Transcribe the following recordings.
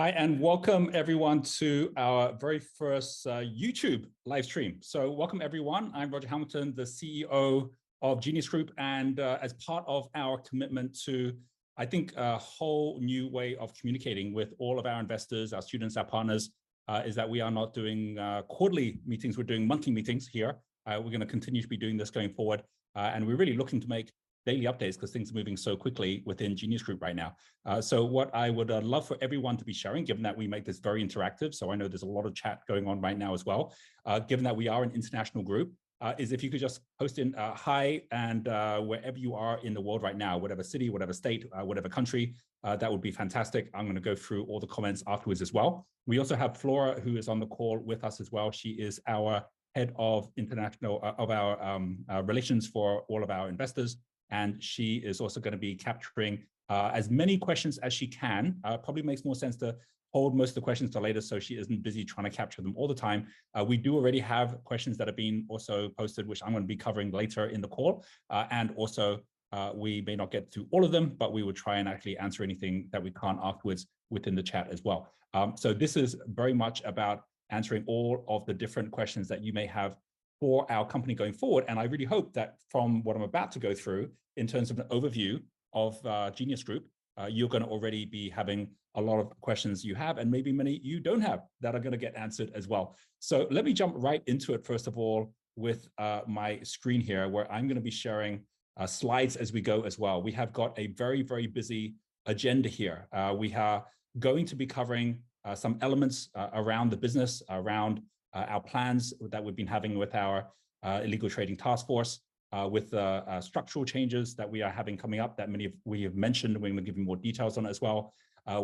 Hi, welcome everyone to our very first YouTube live stream. Welcome everyone. I'm Roger Hamilton, the CEO of Genius Group, as part of our commitment to, I think, a whole new way of communicating with all of our investors, our students, our partners, is that we are not doing quarterly meetings, we're doing monthly meetings here. We're going to continue to be doing this going forward, we're really looking to make daily updates 'cause things are moving so quickly within Genius Group right now. What I would love for everyone to be sharing, given that we made this very interactive, so I know there's a lot of chat going on right now as well, given that we are an international group, is if you could just post in a hi and, wherever you are in the world right now, whatever city, whatever state, whatever country. That would be fantastic. I'm gonna go through all the comments afterwards as well. We also have Flora, who is on the call with us as well. She is our Head of International Relations for all of our investors, and she is also gonna be capturing as many questions as she can. Probably makes more sense to hold most of the questions till later so she isn't busy trying to capture them all the time. We do already have questions that have been also posted, which I'm gonna be covering later in the call. Also, we may not get through all of them, but we will try and actually answer anything that we can't afterwards within the chat as well. This is very much about answering all of the different questions that you may have for our company going forward, and I really hope that from what I'm about to go through in terms of the overview of Genius Group, you're gonna already be having a lot of questions you have, and maybe many you don't have, that are gonna get answered as well. Let me jump right into it first of all with my screen here, where I'm gonna be sharing slides as we go as well. We have got a very, very busy agenda here. We are going to be covering some elements around the business, around our plans that we've been having with our illegal trading task force, with structural changes that we are having coming up that many of we have mentioned. We're gonna be giving more details on it as well.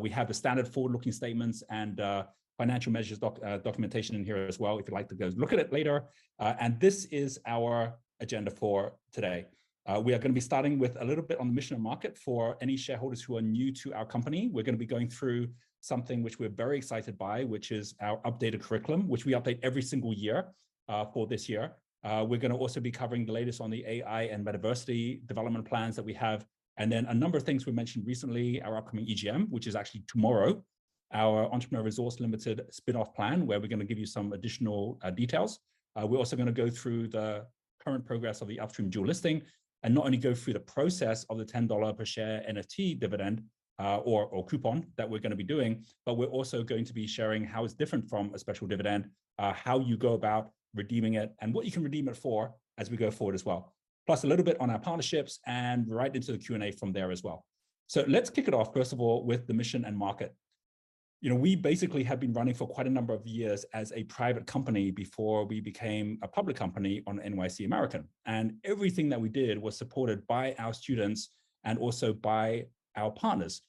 We have the standard forward-looking statements and financial measures documentation in here as well if you'd like to go look at it later. This is our agenda for today. We are gonna be starting with a little bit on the mission and market for any shareholders who are new to our company. We're gonna be going through something which we're very excited by, which is our updated curriculum, which we update every single year for this year. We're gonna also be covering the latest on the AI and Metaversity development plans that we have. Then a number of things we mentioned recently, our upcoming EGM, which is actually tomorrow, our Entrepreneur Resorts Ltd spin-off plan, where we're gonna give you some additional details. We're also gonna go through the current progress of the upstream dual listing, and not only go through the process of the $10 per share NFT dividend, or coupon that we're gonna be doing, but we're also going to be sharing how it's different from a special dividend, how you go about redeeming it, and what you can redeem it for as we go forward as well. Plus a little bit on our partnerships and right into the Q&A from there as well. Let's kick it off, first of all, with the mission and market. You know, we basically have been running for quite a number of years as a private company before we became a public company on NYSE American. Everything that we did was supported by our students and also by our partners.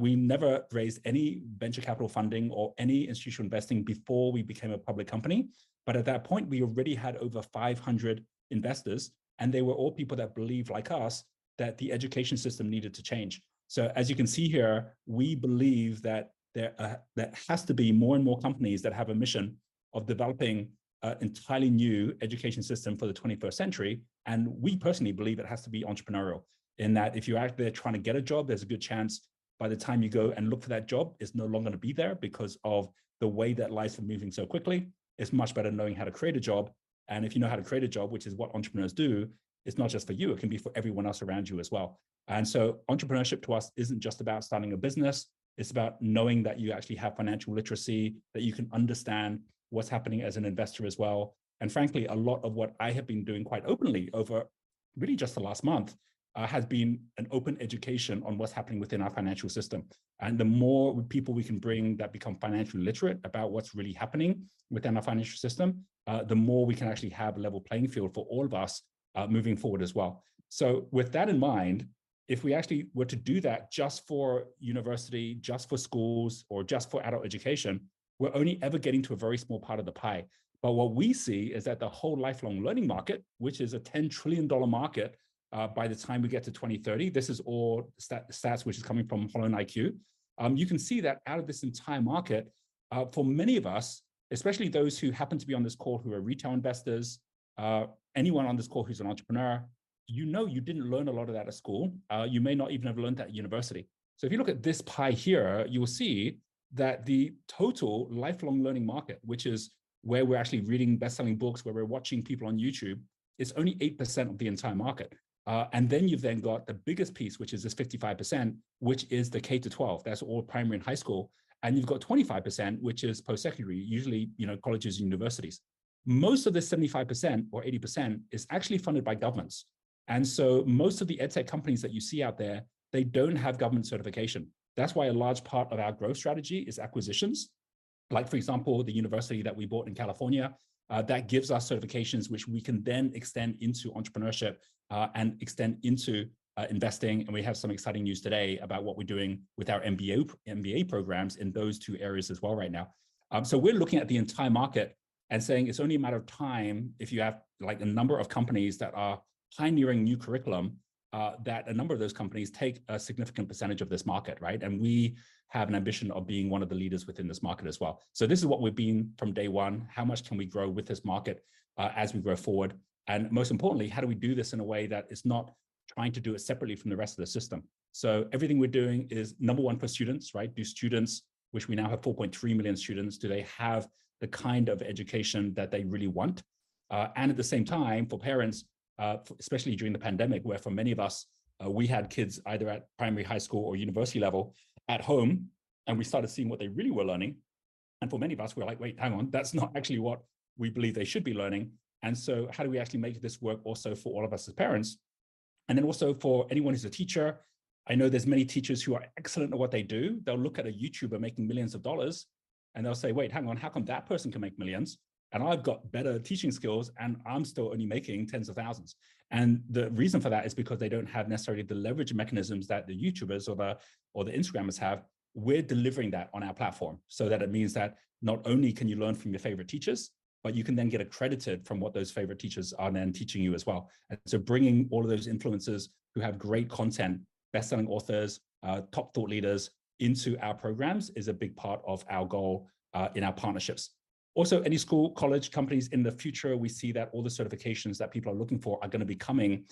We never raised any venture capital funding or any institutional investing before we became a public company. At that point, we already had over 500 investors, and they were all people that believed, like us, that the education system needed to change. As you can see here, we believe that there has to be more and more companies that have a mission of developing an entirely new education system for the 21st century, and we personally believe it has to be entrepreneurial. In that, if you're out there trying to get a job, there's a good chance by the time you go and look for that job, it's no longer gonna be there because of the way that life's moving so quickly. It's much better knowing how to create a job. If you know how to create a job, which is what entrepreneurs do, it's not just for you, it can be for everyone else around you as well. Entrepreneurship to us isn't just about starting a business, it's about knowing that you actually have financial literacy, that you can understand what's happening as an investor as well. Frankly, a lot of what I have been doing quite openly over really just the last month, has been an open education on what's happening within our financial system. The more people we can bring that become financially literate about what's really happening within our financial system, the more we can actually have a level playing field for all of us moving forward as well. With that in mind, if we actually were to do that just for university, just for schools, or just for adult education, we're only ever getting to a very small part of the pie. What we see is that the whole lifelong learning market, which is a $10 trillion market, by the time we get to 2030, this is all stats which is coming from HolonIQ. You can see that out of this entire market, for many of us, especially those who happen to be on this call who are retail investors, anyone on this call who's an entrepreneur, you know you didn't learn a lot of that at school. You may not even have learned that at university. If you look at this pie here, you will see that the total lifelong learning market, which is where we're actually reading best-selling books, where we're watching people on YouTube, is only 8% of the entire market. You've then got the biggest piece, which is this 55%, which is the K-12. That's all primary and high school. You've got 25%, which is post-secondary, usually, you know, colleges, universities. Most of this 75% or 80% is actually funded by governments. Most of the edtech companies that you see out there, they don't have government certification. That's why a large part of our growth strategy is acquisitions, like for example, the university that we bought in California. That gives us certifications which we can then extend into entrepreneurship, and extend into investing, and we have some exciting news today about what we're doing with our MBA programs in those two areas as well right now. We're looking at the entire market and saying it's only a matter of time if you have, like, a number of companies that are pioneering new curriculum, that a number of those companies take a significant percentage of this market, right? We have an ambition of being one of the leaders within this market as well. This is what we've been from day one, how much can we grow with this market, as we grow forward? Most importantly, how do we do this in a way that is not trying to do it separately from the rest of the system? Everything we're doing is, number one, for students, right? Do students, which we now have 4.3 million students, do they have the kind of education that they really want? And at the same time for parents, especially during the pandemic, where for many of us, we had kids either at primary, high school, or university level at home, and we started seeing what they really were learning. For many of us, we were like, "Wait, hang on. That's not actually what we believe they should be learning. How do we actually make this work also for all of us as parents? Also for anyone who's a teacher, I know there's many teachers who are excellent at what they do. They'll look at a YouTuber making millions of dollars and they'll say, "Wait, hang on. How come that person can make millions, and I've got better teaching skills and I'm still only making tens of thousands?" The reason for that is because they don't have necessarily the leverage mechanisms that the YouTubers or the Instagrammers have. We're delivering that on our platform, so that it means that not only can you learn from your favorite teachers, but you can then get accredited from what those favorite teachers are then teaching you as well. Bringing all of those influencers who have great content, bestselling authors, top thought leaders into our programs is a big part of our goal in our partnerships. Any school, college, companies in the future, we see that all the certifications that people are looking for are gonna be coming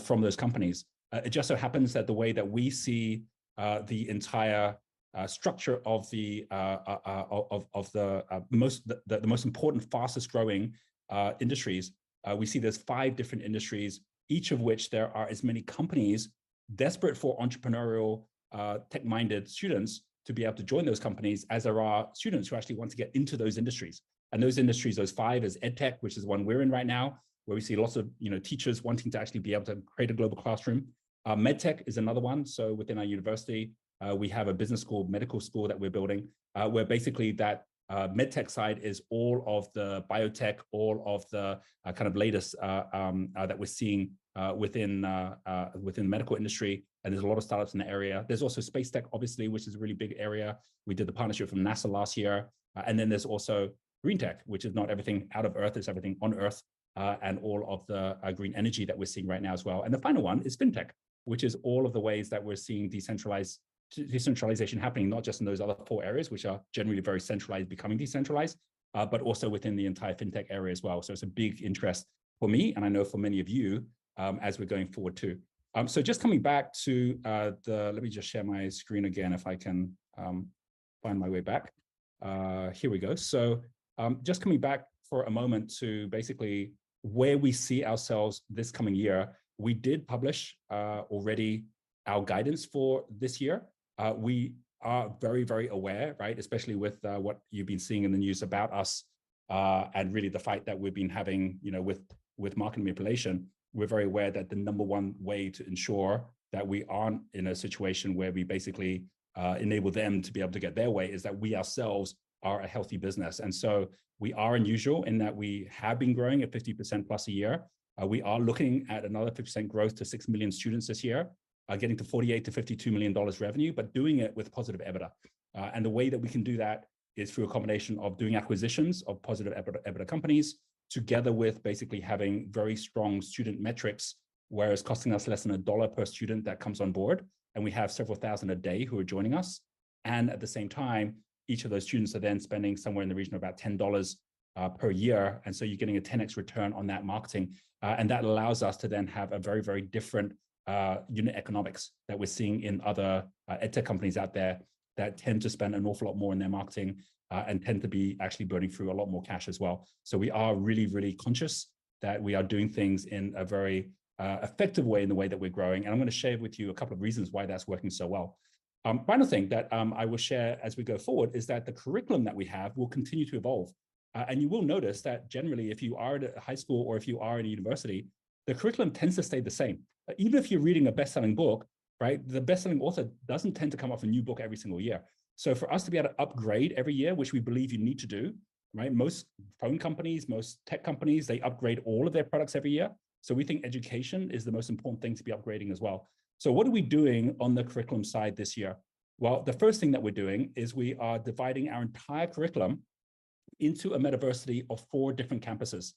from those companies. It just so happens that the way that we see the entire structure of the most important, fastest growing industries, we see there's 5 different industries, each of which there are as many companies desperate for entrepreneurial, tech-minded students to be able to join those companies as there are students who actually want to get into those industries. Those industries, those five, is edtech, which is one we're in right now, where we see lots of, you know, teachers wanting to actually be able to create a global classroom. MedTech is another one, so within our university, we have a business school, medical school that we're building, where basically that MedTech side is all of the Biotech, all of the kind of latest that we're seeing within the medical industry, and there's a lot of startups in the area. There's also Space Tech obviously, which is a really big area. We did the partnership from NASA last year. There's also Green Tech, which is not everything out of Earth, it's everything on Earth, and all of the green energy that we're seeing right now as well. The final one is fintech, which is all of the ways that we're seeing decentralized, decentralization happening, not just in those other four areas, which are generally very centralized, becoming decentralized, but also within the entire fintech area as well. It's a big interest for me, and I know for many of you, as we're going forward too. Just coming back to, Let me just share my screen again if I can find my way back. Here we go. Just coming back for a moment to basically where we see ourselves this coming year, we did publish already our guidance for this year. We are very, very aware, right? Especially with what you've been seeing in the news about us, and really the fight that we've been having, you know, with market manipulation. We're very aware that the number one way to ensure that we aren't in a situation where we basically enable them to be able to get their way is that we ourselves are a healthy business. We are unusual in that we have been growing at 50% plus a year. We are looking at another 50% growth to 6 million students this year, getting to $48 million-$52 million revenue, but doing it with positive EBITDA. The way that we can do that is through a combination of doing acquisitions of positive EBITDA companies, together with basically having very strong student metrics, where it's costing us less than $1 per student that comes on board, and we have several thousand a day who are joining us. At the same time, each of those students are then spending somewhere in the region of about $10 per year, you're getting a 10X return on that marketing. That allows us to then have a very, very different unit economics than we're seeing in other edtech companies out there that tend to spend an awful lot more in their marketing and tend to be actually burning through a lot more cash as well. We are really, really conscious that we are doing things in a very effective way in the way that we're growing, I'm gonna share with you a couple of reasons why that's working so well. Final thing that I will share as we go forward is that the curriculum that we have will continue to evolve. You will notice that generally, if you are at a high school or if you are at a university, the curriculum tends to stay the same. Even if you're reading a bestselling book, right? The bestselling author doesn't tend to come up with a new book every single year. For us to be able to upgrade every year, which we believe you need to do, right? Most phone companies, most tech companies, they upgrade all of their products every year. We think education is the most important thing to be upgrading as well. What are we doing on the curriculum side this year? The first thing that we're doing is we are dividing our entire curriculum into a Metaversity of four different campuses.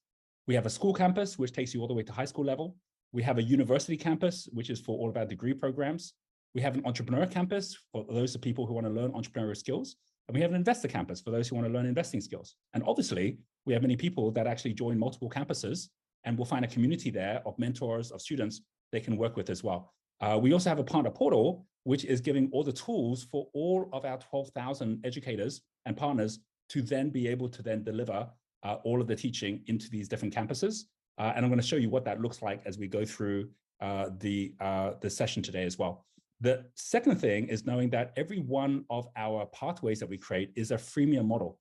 We have a school campus, which takes you all the way to high school level. We have a university campus, which is for all of our degree programs. We have an entrepreneur campus for those people who wanna learn entrepreneurial skills. We have an investor campus for those who wanna learn investing skills. Obviously, we have many people that actually join multiple campuses, and will find a community there of mentors, of students they can work with as well. We also have a partner portal, which is giving all the tools for all of our 12,000 educators and partners to then be able to then deliver all of the teaching into these different campuses. I'm gonna show you what that looks like as we go through the session today as well. The second thing is knowing that every one of our pathways that we create is a freemium model.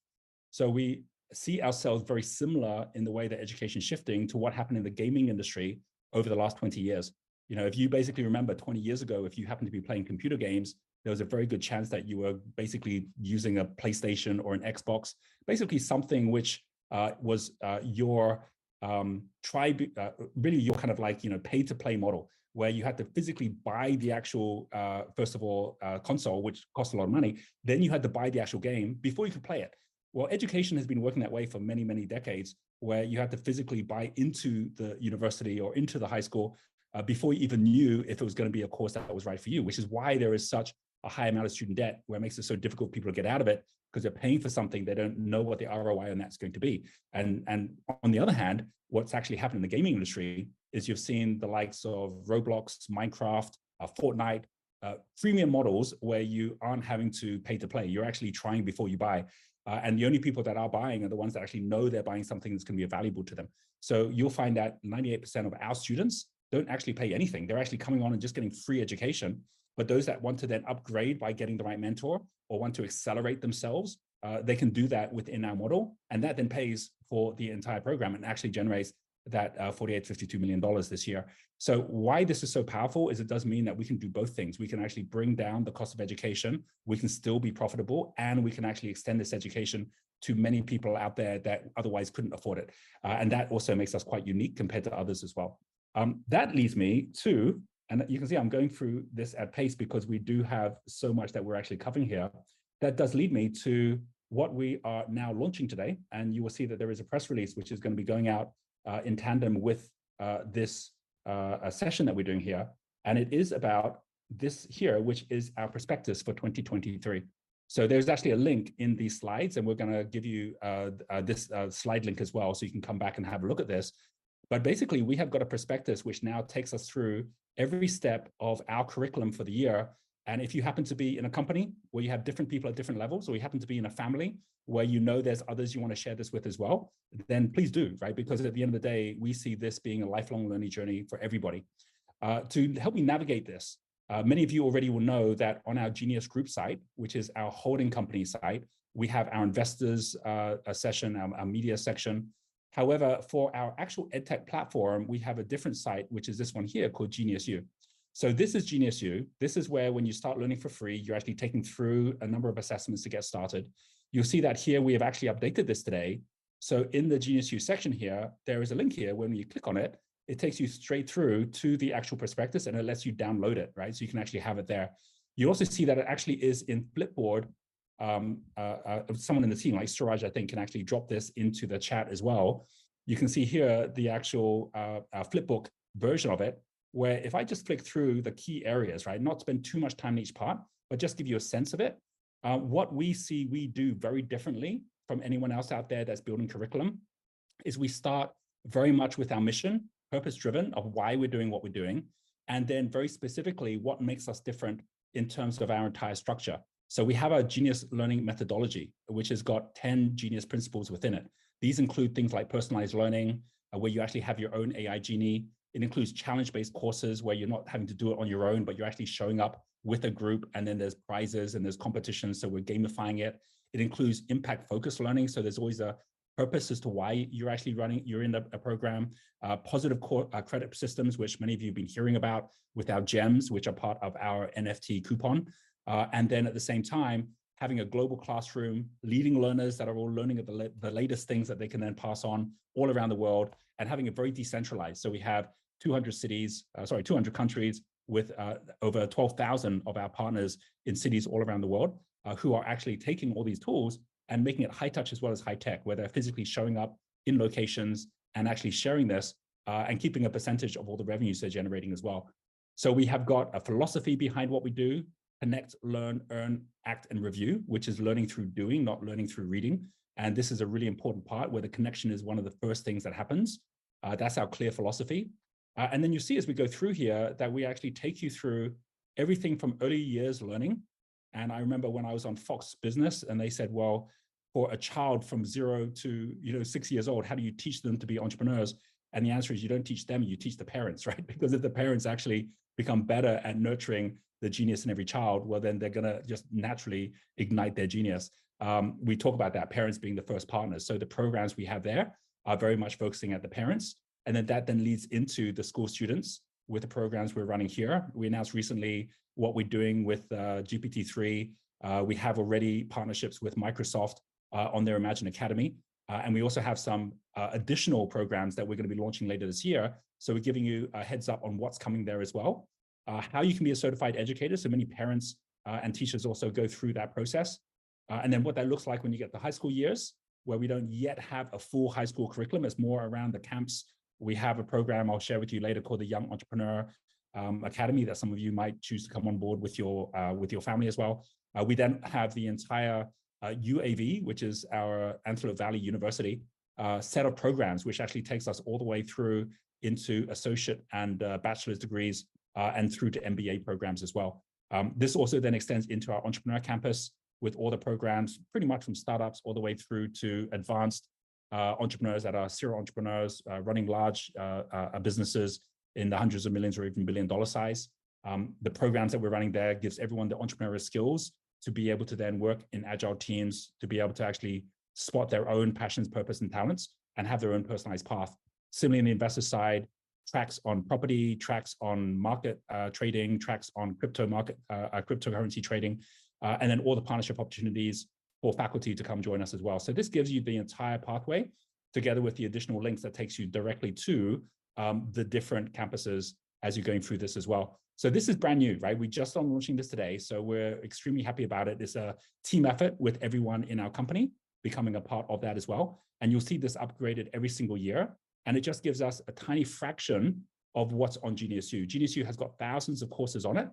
We see ourselves very similar in the way that education's shifting to what happened in the gaming industry over the last 20 years. You know, if you basically remember 20 years ago, if you happened to be playing computer games, there was a very good chance that you were basically using a PlayStation or an Xbox. Basically something which was your really your kind of like, you know, pay-to-play model, where you had to physically buy the actual first of all console, which cost a lot of money, then you had to buy the actual game before you could play it. Well, education has been working that way for many, many decades, where you had to physically buy into the university or into the high school, before you even knew if it was gonna be a course that was right for you, which is why there is such a high amount of student debt, where it makes it so difficult for people to get out of it, 'cause they're paying for something they don't know what the ROI on that's going to be. On the other hand, what's actually happened in the gaming industry is you've seen the likes of Roblox, Minecraft, Fortnite, freemium models where you aren't having to pay to play. You're actually trying before you buy. The only people that are buying are the ones that actually know they're buying something that's gonna be valuable to them. You'll find that 98% of our students don't actually pay anything. They're actually coming on and just getting free education. Those that want to then upgrade by getting the right mentor or want to accelerate themselves, they can do that within our model, and that then pays for the entire program and actually generates That $48 million-$52 million this year. Why this is so powerful is it does mean that we can do both things. We can actually bring down the cost of education, we can still be profitable, and we can actually extend this education to many people out there that otherwise couldn't afford it. That also makes us quite unique compared to others as well. That leads me to... You can see I'm going through this at pace because we do have so much that we're actually covering here. That does lead me to what we are now launching today. You will see that there is a press release which is gonna be going out in tandem with this session that we're doing here, and it is about this here, which is our prospectus for 2023. There's actually a link in these slides, and we're gonna give you this slide link as well, so you can come back and have a look at this. Basically, we have got a prospectus which now takes us through every step of our curriculum for the year. If you happen to be in a company where you have different people at different levels, or you happen to be in a family where you know there's others you want to share this with as well, then please do, right? At the end of the day, we see this being a lifelong learning journey for everybody. To help me navigate this, many of you already will know that on our Genius Group site, which is our holding company site, we have our investors, session, our media section. For our actual edtech platform, we have a different site, which is this one here called GeniusU. This is GeniusU. This is where when you start learning for free, you're actually taken through a number of assessments to get started. You'll see that here we have actually updated this today. In the GeniusU section here, there is a link here. When you click on it takes you straight through to the actual prospectus, and it lets you download it, right? You can actually have it there. You also see that it actually is in Flipboard, someone in the team, like Suraj I think, can actually drop this into the chat as well. You can see here the actual, flip book version of it, where if I just flick through the key areas, right? Not spend too much time on each part, but just give you a sense of it. What we see we do very differently from anyone else out there that's building curriculum is we start very much with our mission, purpose-driven, of why we're doing what we're doing, and then very specifically, what makes us different in terms of our entire structure. We have our Genius learning methodology, which has got 10 Genius principles within it. These include things like personalized learning, where you actually have your own AI Genie. It includes challenge-based courses where you're not having to do it on your own, but you're actually showing up with a group, and then there's prizes and there's competitions, we're gamifying it. It includes impact-focused learning, there's always a purpose as to why you're actually you're in a program. Positive credit systems, which many of you have been hearing about with our GEMs, which are part of our NFT coupon. At the same time, having a global classroom, leading learners that are all learning at the latest things that they can then pass on all around the world and having it very decentralized. We have 200 cities, sorry, 200 countries with over 12,000 of our partners in cities all around the world, who are actually taking all these tools and making it high touch as well as high tech, where they're physically showing up in locations and actually sharing this, and keeping a percentage of all the revenue they're generating as well. We have got a philosophy behind what we do, Connect, Learn, Earn, Act, and Review, which is learning through doing, not learning through reading. This is a really important part where the connection is one of the first things that happens. That's our CLEAR philosophy. You see as we go through here that we actually take you through everything from early years learning. I remember when I was on Fox Business and they said, "Well, for a child from zero to, you know, six years old, how do you teach them to be entrepreneurs?" The answer is, you don't teach them, you teach the parents, right? Because if the parents actually become better at nurturing the genius in every child, well, then they're gonna just naturally ignite their genius. We talk about that, parents being the first partners. The programs we have there are very much focusing at the parents. That then leads into the school students with the programs we're running here. We announced recently what we're doing with GPT-3. We have already partnerships with Microsoft on their Imagine Academy. We also have some additional programs that we're gonna be launching later this year. We're giving you a heads up on what's coming there as well. How you can be a certified educator, so many parents, and teachers also go through that process. What that looks like when you get the high school years, where we don't yet have a full high school curriculum. It's more around the camps. We have a program I'll share with you later called the Young Entrepreneurs Academy that some of you might choose to come on board with your family as well. We have the entire UAV, which is our University of Antelope Valley, set of programs, which actually takes us all the way through into associate and bachelor's degrees, and through to MBA programs as well. This also extends into our entrepreneur campus with all the programs pretty much from startups all the way through to advanced entrepreneurs that are serial entrepreneurs, running large businesses in the hundreds of millions or even billion-dollar size. The programs that we're running there gives everyone the entrepreneurial skills to be able to work in agile teams to be able to actually spot their own passions, purpose, and talents and have their own personalized path. Similarly, on the investor side, tracks on property, tracks on market trading, tracks on crypto market cryptocurrency trading, all the partnership opportunities for faculty to come join us as well. This gives you the entire pathway together with the additional links that takes you directly to the different campuses as you're going through this as well. This is brand new, right? We're just on launching this today, so we're extremely happy about it. It's a team effort with everyone in our company becoming a part of that as well. You'll see this upgraded every single year. It just gives us a tiny fraction of what's on GeniusU. GeniusU has got thousands of courses on it.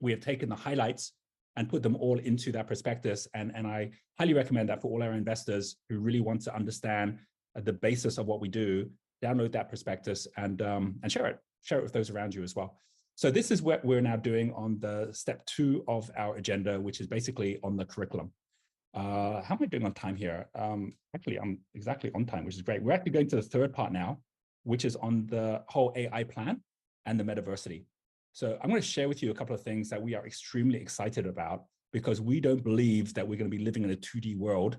We have taken the highlights and put them all into that prospectus and I highly recommend that for all our investors who really want to understand the basis of what we do. Download that prospectus and share it. Share it with those around you as well. This is what we're now doing on the step 2 of our agenda, which is basically on the curriculum. How am I doing on time here? Actually, I'm exactly on time, which is great. We're actually going to the third part now, which is on the whole AI plan and the Metaversity. I'm gonna share with you a couple of things that we are extremely excited about because we don't believe that we're gonna be living in a 2D world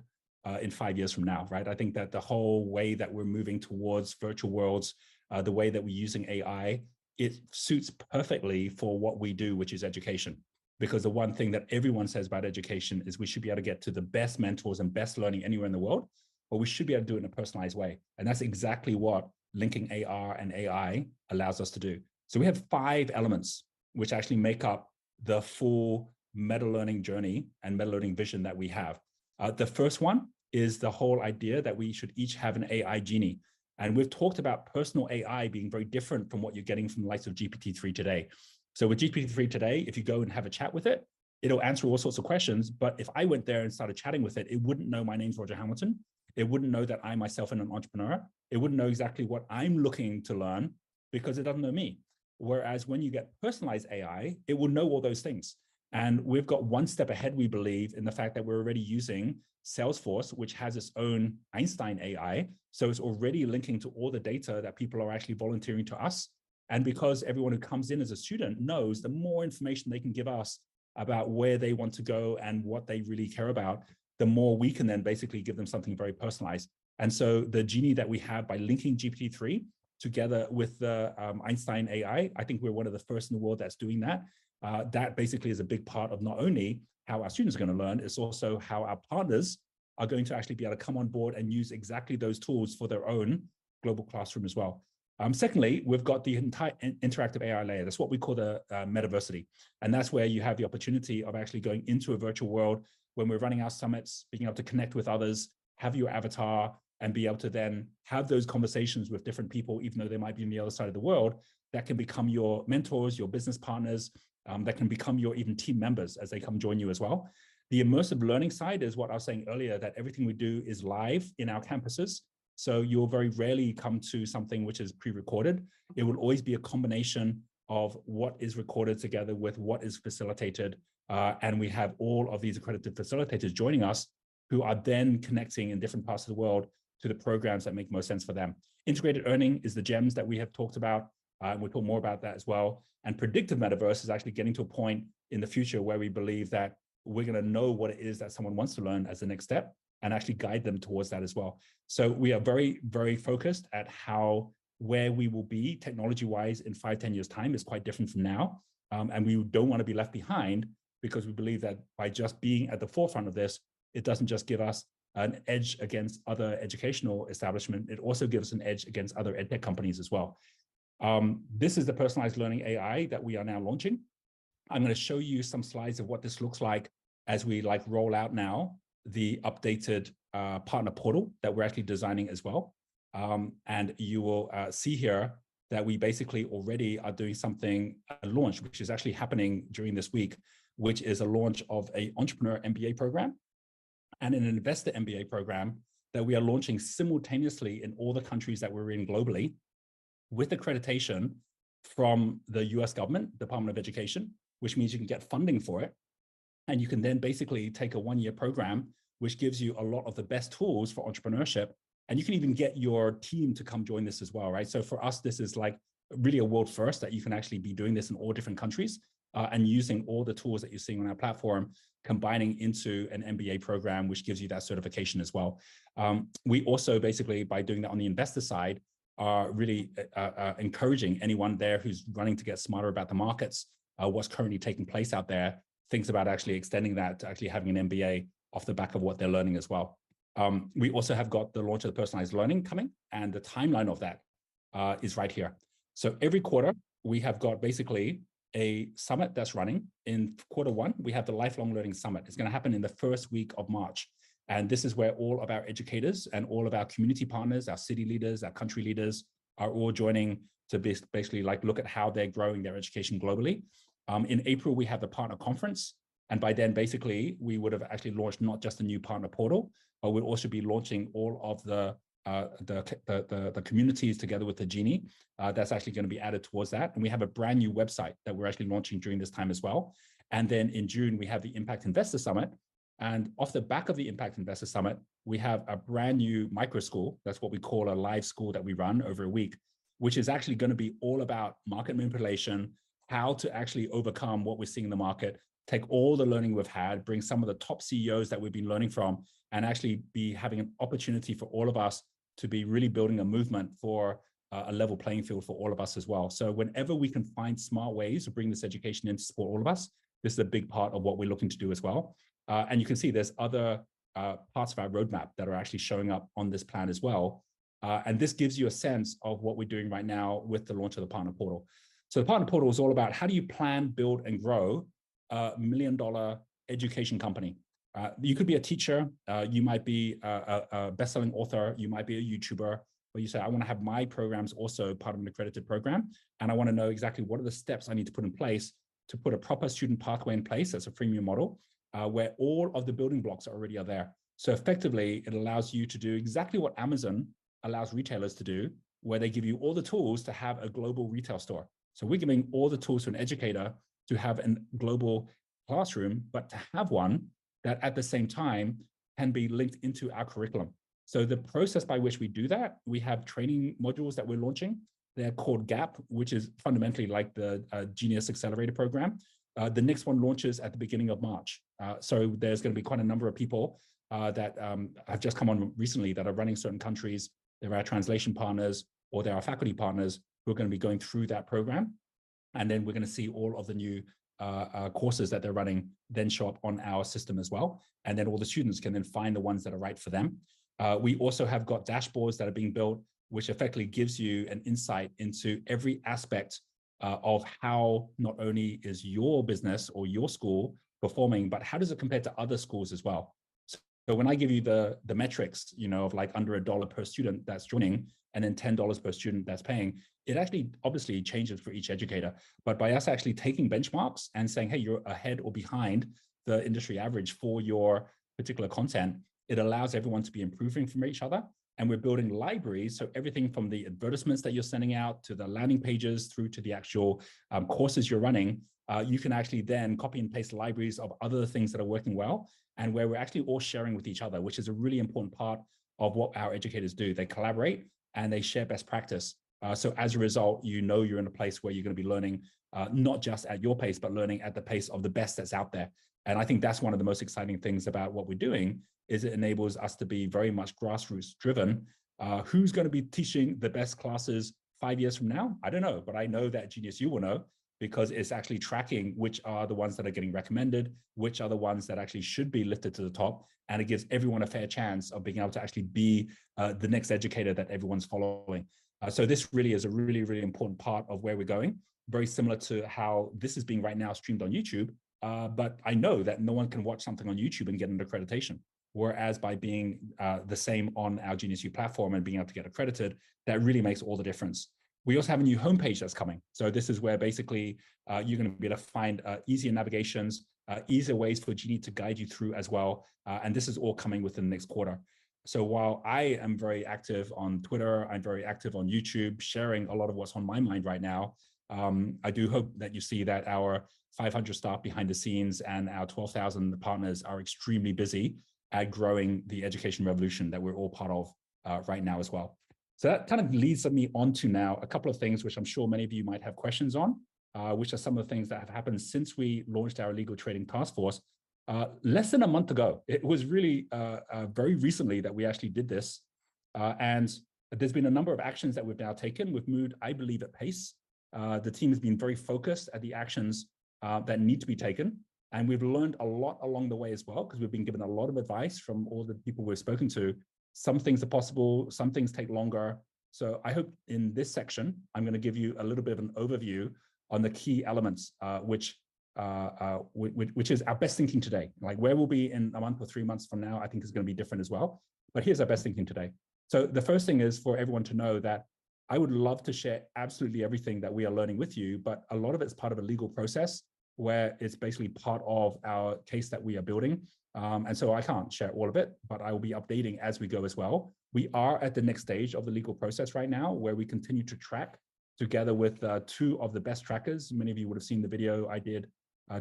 in five years from now, right? I think that the whole way that we're moving towards virtual worlds, the way that we're using AI, it suits perfectly for what we do, which is education. The one thing that everyone says about education is we should be able to get to the best mentors and best learning anywhere in the world, but we should be able to do it in a personalized way, and that's exactly what linking AR and AI allows us to do. We have five elements which actually make up the full Meta Learning journey and Meta Learning vision that we have. The first one is the whole idea that we should each have an AI Genie, and we've talked about personal AI being very different from what you're getting from the likes of GPT-3 today. With GPT-3 today, if you go and have a chat with it'll answer all sorts of questions. If I went there and started chatting with it wouldn't know my name's Roger Hamilton, it wouldn't know that I myself am an entrepreneur, it wouldn't know exactly what I'm looking to learn because it doesn't know me. When you get personalized AI, it will know all those things. We've got one step ahead, we believe, in the fact that we're already using Salesforce, which has its own Einstein AI, so it's already linking to all the data that people are actually volunteering to us. Because everyone who comes in as a student knows the more information they can give us about where they want to go and what they really care about, the more we can then basically give them something very personalized. The Genie that we have by linking GPT-3 together with Einstein AI, I think we're one of the first in the world that's doing that. That basically is a big part of not only how our students are gonna learn, it's also how our partners are going to actually be able to come on board and use exactly those tools for their own global classroom as well. Secondly, we've got the entire in-interactive AI layer. That's what we call the Metaversity, where you have the opportunity of actually going into a virtual world when we're running our summits, being able to connect with others, have your avatar, and be able to then have those conversations with different people even though they might be on the other side of the world. That can become your mentors, your business partners, that can become your even team members as they come join you as well. The immersive learning side is what I was saying earlier, that everything we do is live in our campuses. You'll very rarely come to something which is pre-recorded. It will always be a combination of what is recorded together with what is facilitated. We have all of these accredited facilitators joining us who are then connecting in different parts of the world to the programs that make most sense for them. Integrated earning is the GEMs that we have talked about, and we'll talk more about that as well. Predictive Metaverse is actually getting to a point in the future where we believe that we're gonna know what it is that someone wants to learn as a next step and actually guide them towards that as well. We are very, very focused at how where we will be technology-wise in five, 10 years' time is quite different from now, and we don't wanna be left behind because we believe that by just being at the forefront of this, it doesn't just give us an edge against other educational establishment, it also gives us an edge against other edtech companies as well. This is the personalized learning AI that we are now launching. I'm gonna show you some slides of what this looks like as we, like, roll out now the updated partner portal that we're actually designing as well. You will see here that we basically already are doing something at launch, which is actually happening during this week, which is a launch of a entrepreneur MBA program and an investor MBA program that we are launching simultaneously in all the countries that we're in globally with accreditation from the U.S. government, Department of Education, which means you can get funding for it. You can then basically take a one-year program, which gives you a lot of the best tools for entrepreneurship, and you can even get your team to come join this as well, right? For us, this is, like, really a world first, that you can actually be doing this in all different countries, and using all the tools that you're seeing on our platform, combining into an MBA program which gives you that certification as well. We also basically by doing that on the investor side are really encouraging anyone there who's wanting to get smarter about the markets, what's currently taking place out there, thinks about actually extending that to actually having an MBA off the back of what they're learning as well. We also have got the launch of the personalized learning coming, the timeline of that is right here. Every quarter we have got basically a summit that's running. In quarter one, we have the lifelong learning summit. It's gonna happen in the first week of March, and this is where all of our educators and all of our community partners, our city leaders, our country leaders, are all joining to basically, like, look at how they're growing their education globally. In April, we have the partner conference. By then basically we would have actually launched not just the new partner portal, but we'll also be launching all of the communities together with the Genie. That's actually gonna be added towards that. We have a brand-new website that we're actually launching during this time as well. In June, we have the Impact Investor Summit. Off the back of the Impact Investor Summit, we have a brand-new microschool. That's what we call a live school that we run over a week, which is actually gonna be all about market manipulation, how to actually overcome what we're seeing in the market, take all the learning we've had, bring some of the top CEOs that we've been learning from, and actually be having an opportunity for all of us to be really building a movement for a level playing field for all of us as well. Whenever we can find smart ways to bring this education in to support all of us, this is a big part of what we're looking to do as well. You can see there's other parts of our roadmap that are actually showing up on this plan as well. This gives you a sense of what we're doing right now with the launch of the partner portal. The partner portal is all about how do you plan, build, and grow a million-dollar education company? You could be a teacher, you might be a bestselling author, you might be a YouTuber, but you say, "I wanna have my programs also part of an accredited program, and I wanna know exactly what are the steps I need to put in place to put a proper student pathway in place as a premium model," where all of the building blocks already are there. Effectively it allows you to do exactly what Amazon allows retailers to do, where they give you all the tools to have a global retail store. We're giving all the tools to an educator to have a global classroom, but to have one that at the same time can be linked into our curriculum. The process by which we do that, we have training modules that we're launching. They're called GAP, which is fundamentally like the Genius Accelerator Programme. The next one launches at the beginning of March. There's gonna be quite a number of people that have just come on recently that are running certain countries. They're our translation partners or they're our faculty partners who are gonna be going through that program. We're gonna see all of the new courses that they're running then show up on our system as well, and then all the students can then find the ones that are right for them. We also have got dashboards that are being built, which effectively gives you an insight into every aspect of how not only is your business or your school performing, but how does it compare to other schools as well. When I give you the metrics, you know, of like under $1 per student that's joining and then $10 per student that's paying, it actually obviously changes for each educator. By us actually taking benchmarks and saying, "Hey, you're ahead or behind the industry average for your particular content," it allows everyone to be improving from each other. We're building libraries, so everything from the advertisements that you're sending out to the landing pages through to the actual courses you're running, you can actually then copy and paste libraries of other things that are working well and where we're actually all sharing with each other, which is a really important part of what our educators do. They collaborate, and they share best practice. As a result, you know you're in a place where you're gonna be learning, not just at your pace, but learning at the pace of the best that's out there. I think that's one of the most exciting things about what we're doing, is it enables us to be very much grassroots driven. Who's gonna be teaching the best classes five years from now? I don't know. I know that GeniusU will know because it's actually tracking which are the ones that are getting recommended, which are the ones that actually should be lifted to the top, and it gives everyone a fair chance of being able to actually be the next educator that everyone's following. This really is a really, really important part of where we're going, very similar to how this is being right now streamed on YouTube, I know that no one can watch something on YouTube and get an accreditation. Whereas by being the same on our GeniusU platform and being able to get accredited, that really makes all the difference. We also have a new homepage that's coming, this is where basically, you're gonna be able to find, easier navigations, easier ways for Genie to guide you through as well, and this is all coming within the next quarter. While I am very active on Twitter, I'm very active on YouTube, sharing a lot of what's on my mind right now, I do hope that you see that our 500 staff behind the scenes and our 12,000 partners are extremely busy at growing the education revolution that we're all part of, right now as well. That kind of leads me on to now a couple of things which I'm sure many of you might have questions on, which are some of the things that have happened since we launched our Illegal Trading Task Force. Less than a month ago, it was really very recently that we actually did this, and there's been a number of actions that we've now taken. We've moved, I believe, at pace. The team has been very focused at the actions that need to be taken, and we've learned a lot along the way as well because we've been given a lot of advice from all the people we've spoken to. Some things are possible, some things take longer. I hope in this section I'm gonna give you a little bit of an overview on the key elements, which is our best thinking today. Like where we'll be in a month or three months from now I think is gonna be different as well. Here's our best thinking today. The first thing is for everyone to know that I would love to share absolutely everything that we are learning with you, but a lot of it's part of a legal process where it's basically part of our case that we are building. I can't share all of it, but I will be updating as we go as well. We are at the next stage of the legal process right now where we continue to track together with two of the best trackers. Many of you would have seen the video I did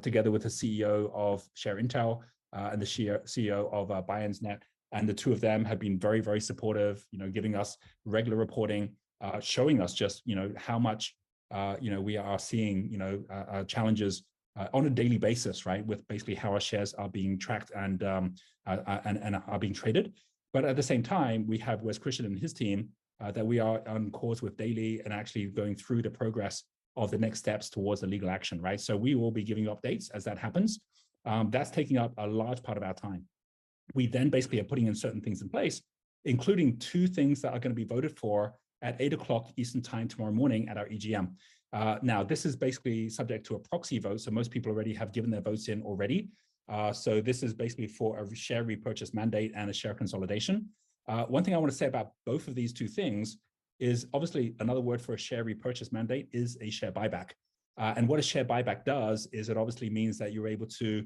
together with the CEO of ShareIntel and the CEO of BuyIns.net. The two of them have been very, very supportive, you know, giving us regular reporting, showing us just, you know, how much, you know, we are seeing, you know, challenges on a daily basis, right? With basically how our shares are being tracked and are being traded. At the same time, we have Wes Christian and his team that we are on calls with daily and actually going through the progress of the next steps towards the legal action, right? We will be giving you updates as that happens. That's taking up a large part of our time. We basically are putting in certain things in place, including two things that are gonna be voted for at 8:00 AM. Eastern Time tomorrow morning at our EGM. This is basically subject to a proxy vote, so most people already have given their votes in already. This is basically for a share repurchase mandate and a share consolidation. One thing I want to say about both of these two things is obviously another word for a share repurchase mandate is a share buyback. What a share buyback does is it obviously means that you're able to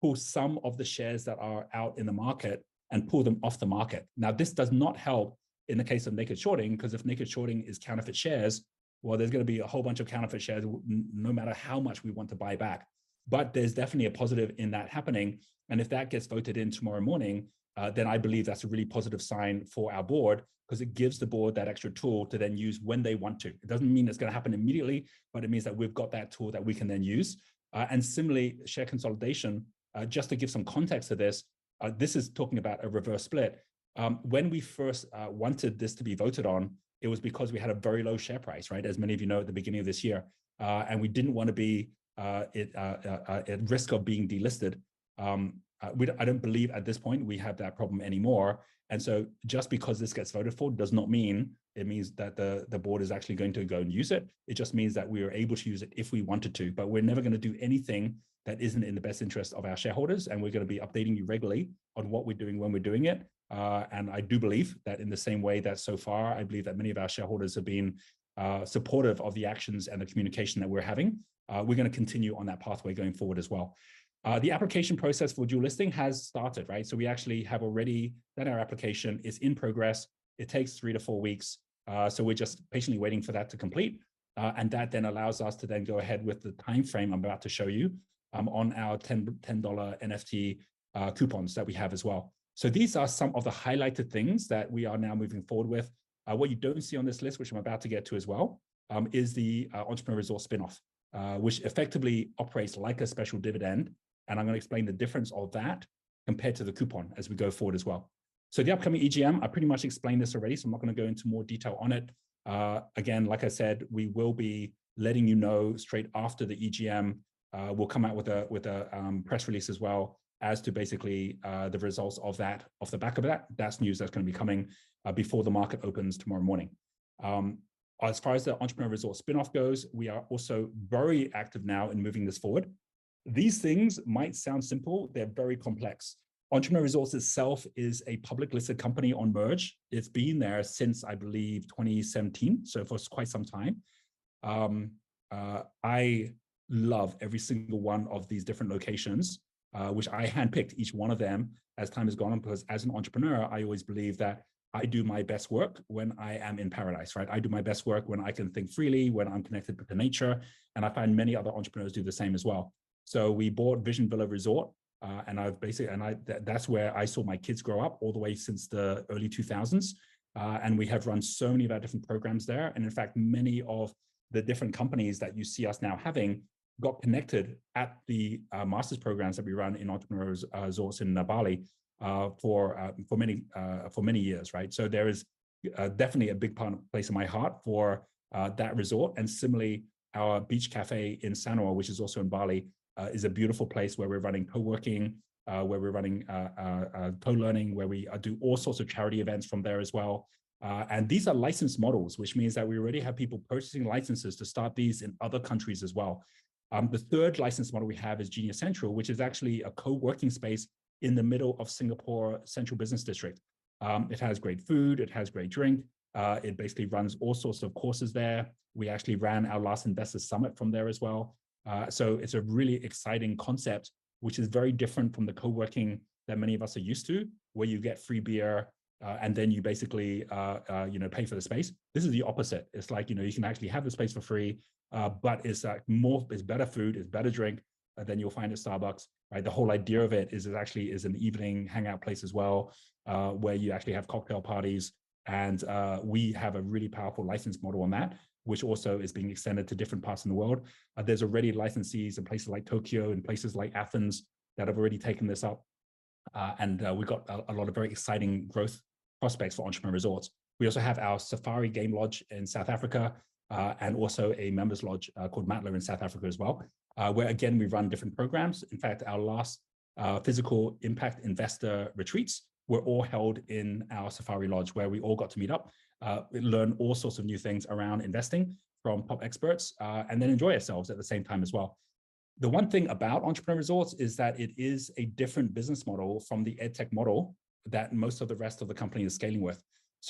pull some of the shares that are out in the market and pull them off the market. This does not help in the case of naked shorting, 'cause if naked shorting is counterfeit shares, well, there's gonna be a whole bunch of counterfeit shares no matter how much we want to buy back. There's definitely a positive in that happening, and if that gets voted in tomorrow morning, then I believe that's a really positive sign for our board 'cause it gives the board that extra tool to then use when they want to. It doesn't mean it's gonna happen immediately, but it means that we've got that tool that we can then use. Similarly, share consolidation, just to give some context to this is talking about a reverse split. When we first wanted this to be voted on, it was because we had a very low share price, right? As many of you know, at the beginning of this year. We didn't want to be at risk of being delisted. I don't believe at this point we have that problem anymore. Just because this gets voted for does not mean it means that the board is actually going to go and use it. It just means that we are able to use it if we wanted to. We're never gonna do anything that isn't in the best interest of our shareholders, and we're gonna be updating you regularly on what we're doing when we're doing it. I do believe that in the same way that so far I believe that many of our shareholders have been supportive of the actions and the communication that we're having, we're gonna continue on that pathway going forward as well. The application process for dual listing has started, right? We actually have already done our application. It's in progress. It takes about three to four weeks, we're just patiently waiting for that to complete. That then allows us to then go ahead with the timeframe I'm about to show you, on our $10 NFT coupons that we have as well. These are some of the highlighted things that we are now moving forward with. What you don't see on this list, which I'm about to get to as well, is the Entrepreneur Resorts spinoff, which effectively operates like a special dividend, and I'm gonna explain the difference of that compared to the coupon as we go forward as well. The upcoming EGM, I pretty much explained this already, so I'm not gonna go into more detail on it. Again, like I said, we will be letting you know straight after the EGM. We'll come out with a press release as well as to basically the results of that. Off the back of that's news that's gonna be coming before the market opens tomorrow morning. As far as the Entrepreneur Resorts spinoff goes, we are also very active now in moving this forward. These things might sound simple, they're very complex. Entrepreneur Resorts itself is a public listed company on MERJ. It's been there since, I believe, 2017, so for quite some time. I love every single one of these different locations, which I handpicked each one of them as time has gone on because as an entrepreneur, I always believe that I do my best work when I am in paradise, right? I do my best work when I can think freely, when I'm connected with the nature, and I find many other entrepreneurs do the same as well. We bought Vision Villa Resort, and I've basically and I that's where I saw my kids grow up all the way since the early 2000s. We have run so many of our different programs there, and in fact, many of the different companies that you see us now having got connected at the master's programs that we ran in Entrepreneur Resorts in Bali, for many years, right? There is definitely a big place in my heart for that resort. Similarly, our beach cafe in Sanur, which is also in Bali, is a beautiful place where we're running co-working, where we're running co-learning, where we do all sorts of charity events from there as well. These are licensed models, which means that we already have people purchasing licenses to start these in other countries as well. The third license model we have is Genius Central, which is actually a co-working space in the middle of Singapore central business district. It has great food, it has great drink. It basically runs all sorts of courses there. We actually ran our last investors summit from there as well. It's a really exciting concept, which is very different from the co-working that many of us are used to, where you get free beer, and then you basically, you know, pay for the space. This is the opposite. It's like, you know, you can actually have the space for free, but it's, like, better food, it's better drink than you'll find at Starbucks, right? The whole idea of it is it actually is an evening hangout place as well, where you actually have cocktail parties. We have a really powerful license model on that, which also is being extended to different parts of the world. There's already licensees in places like Tokyo and places like Athens that have already taken this up. We've got a lot of very exciting growth prospects for Entrepreneur Resorts. We also have our safari game lodge in South Africa and also a members lodge called Matla Game Lodge in South Africa as well, where again, we run different programs. In fact, our last physical impact investor retreats were all held in our safari lodge where we all got to meet up, learn all sorts of new things around investing from top experts, and then enjoy ourselves at the same time as well. The one thing about Entrepreneur Resorts is that it is a different business model from the ed tech model that most of the rest of the company is scaling with.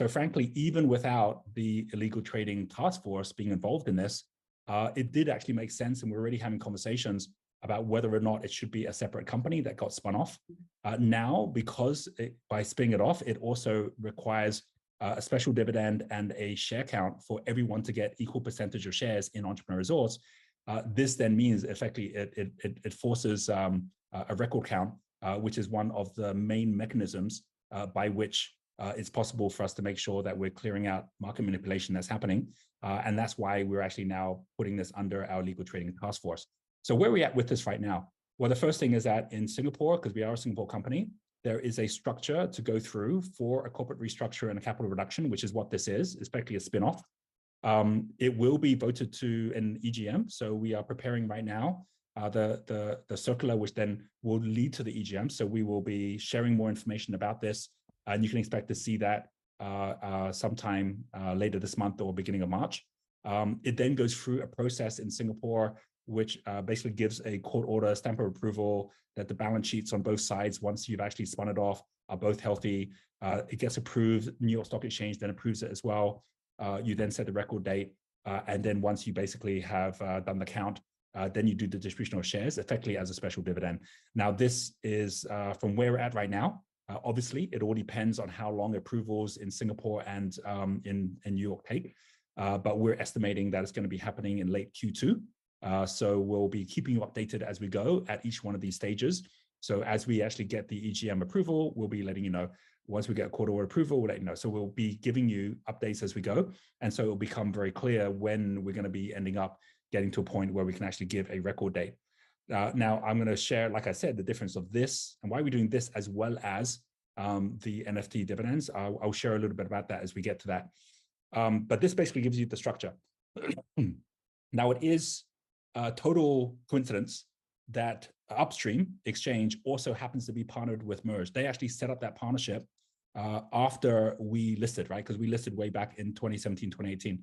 Frankly, even without the Illegal Trading Task Force being involved in this, it did actually make sense and we're already having conversations about whether or not it should be a separate company that got spun off. Now, because by spinning it off, it also requires a special dividend and a share count for everyone to get equal percentage of shares in Entrepreneur Resorts. This then means effectively it forces a record count, which is one of the main mechanisms by which it's possible for us to make sure that we're clearing out market manipulation that's happening. That's why we're actually now putting this under our Illegal Trading Task Force. Where are we at with this right now? Well, the first thing is that in Singapore, 'cause we are a Singapore company, there is a structure to go through for a corporate restructure and a capital reduction, which is what this is. It's basically a spinoff. It will be voted to in EGM. We are preparing right now the circular which then will lead to the EGM.. We will be sharing more information about this, and you can expect to see that sometime later this month or beginning of March. It then goes through a process in Singapore which basically gives a court order stamp of approval that the balance sheets on both sides, once you've actually spun it off, are both healthy. It gets approved. New York Stock Exchange approves it as well. You then set the record date, and once you basically have done the count, then you do the distribution of shares effectively as a special dividend. This is from where we're at right now. Obviously, it all depends on how long the approval is in Singapore and in New York take. We're estimating that it's gonna be happening in late Q2. We'll be keeping you updated as we go at each one of these stages. As we actually get the EGM approval, we'll be letting you know. Once we get court order approval, we'll let you know. We'll be giving you updates as we go, it'll become very clear when we're gonna be ending up getting to a point where we can actually give a record date. Now I'm gonna share, like I said, the difference of this and why we're doing this as well as the NFT dividends. I'll share a little bit about that as we get to that. This basically gives you the structure. Now, it is a total coincidence that Upstream Exchange also happens to be partnered with MERJ. They actually set up that partnership after we listed, right? Because we listed way back in 2017, 2018.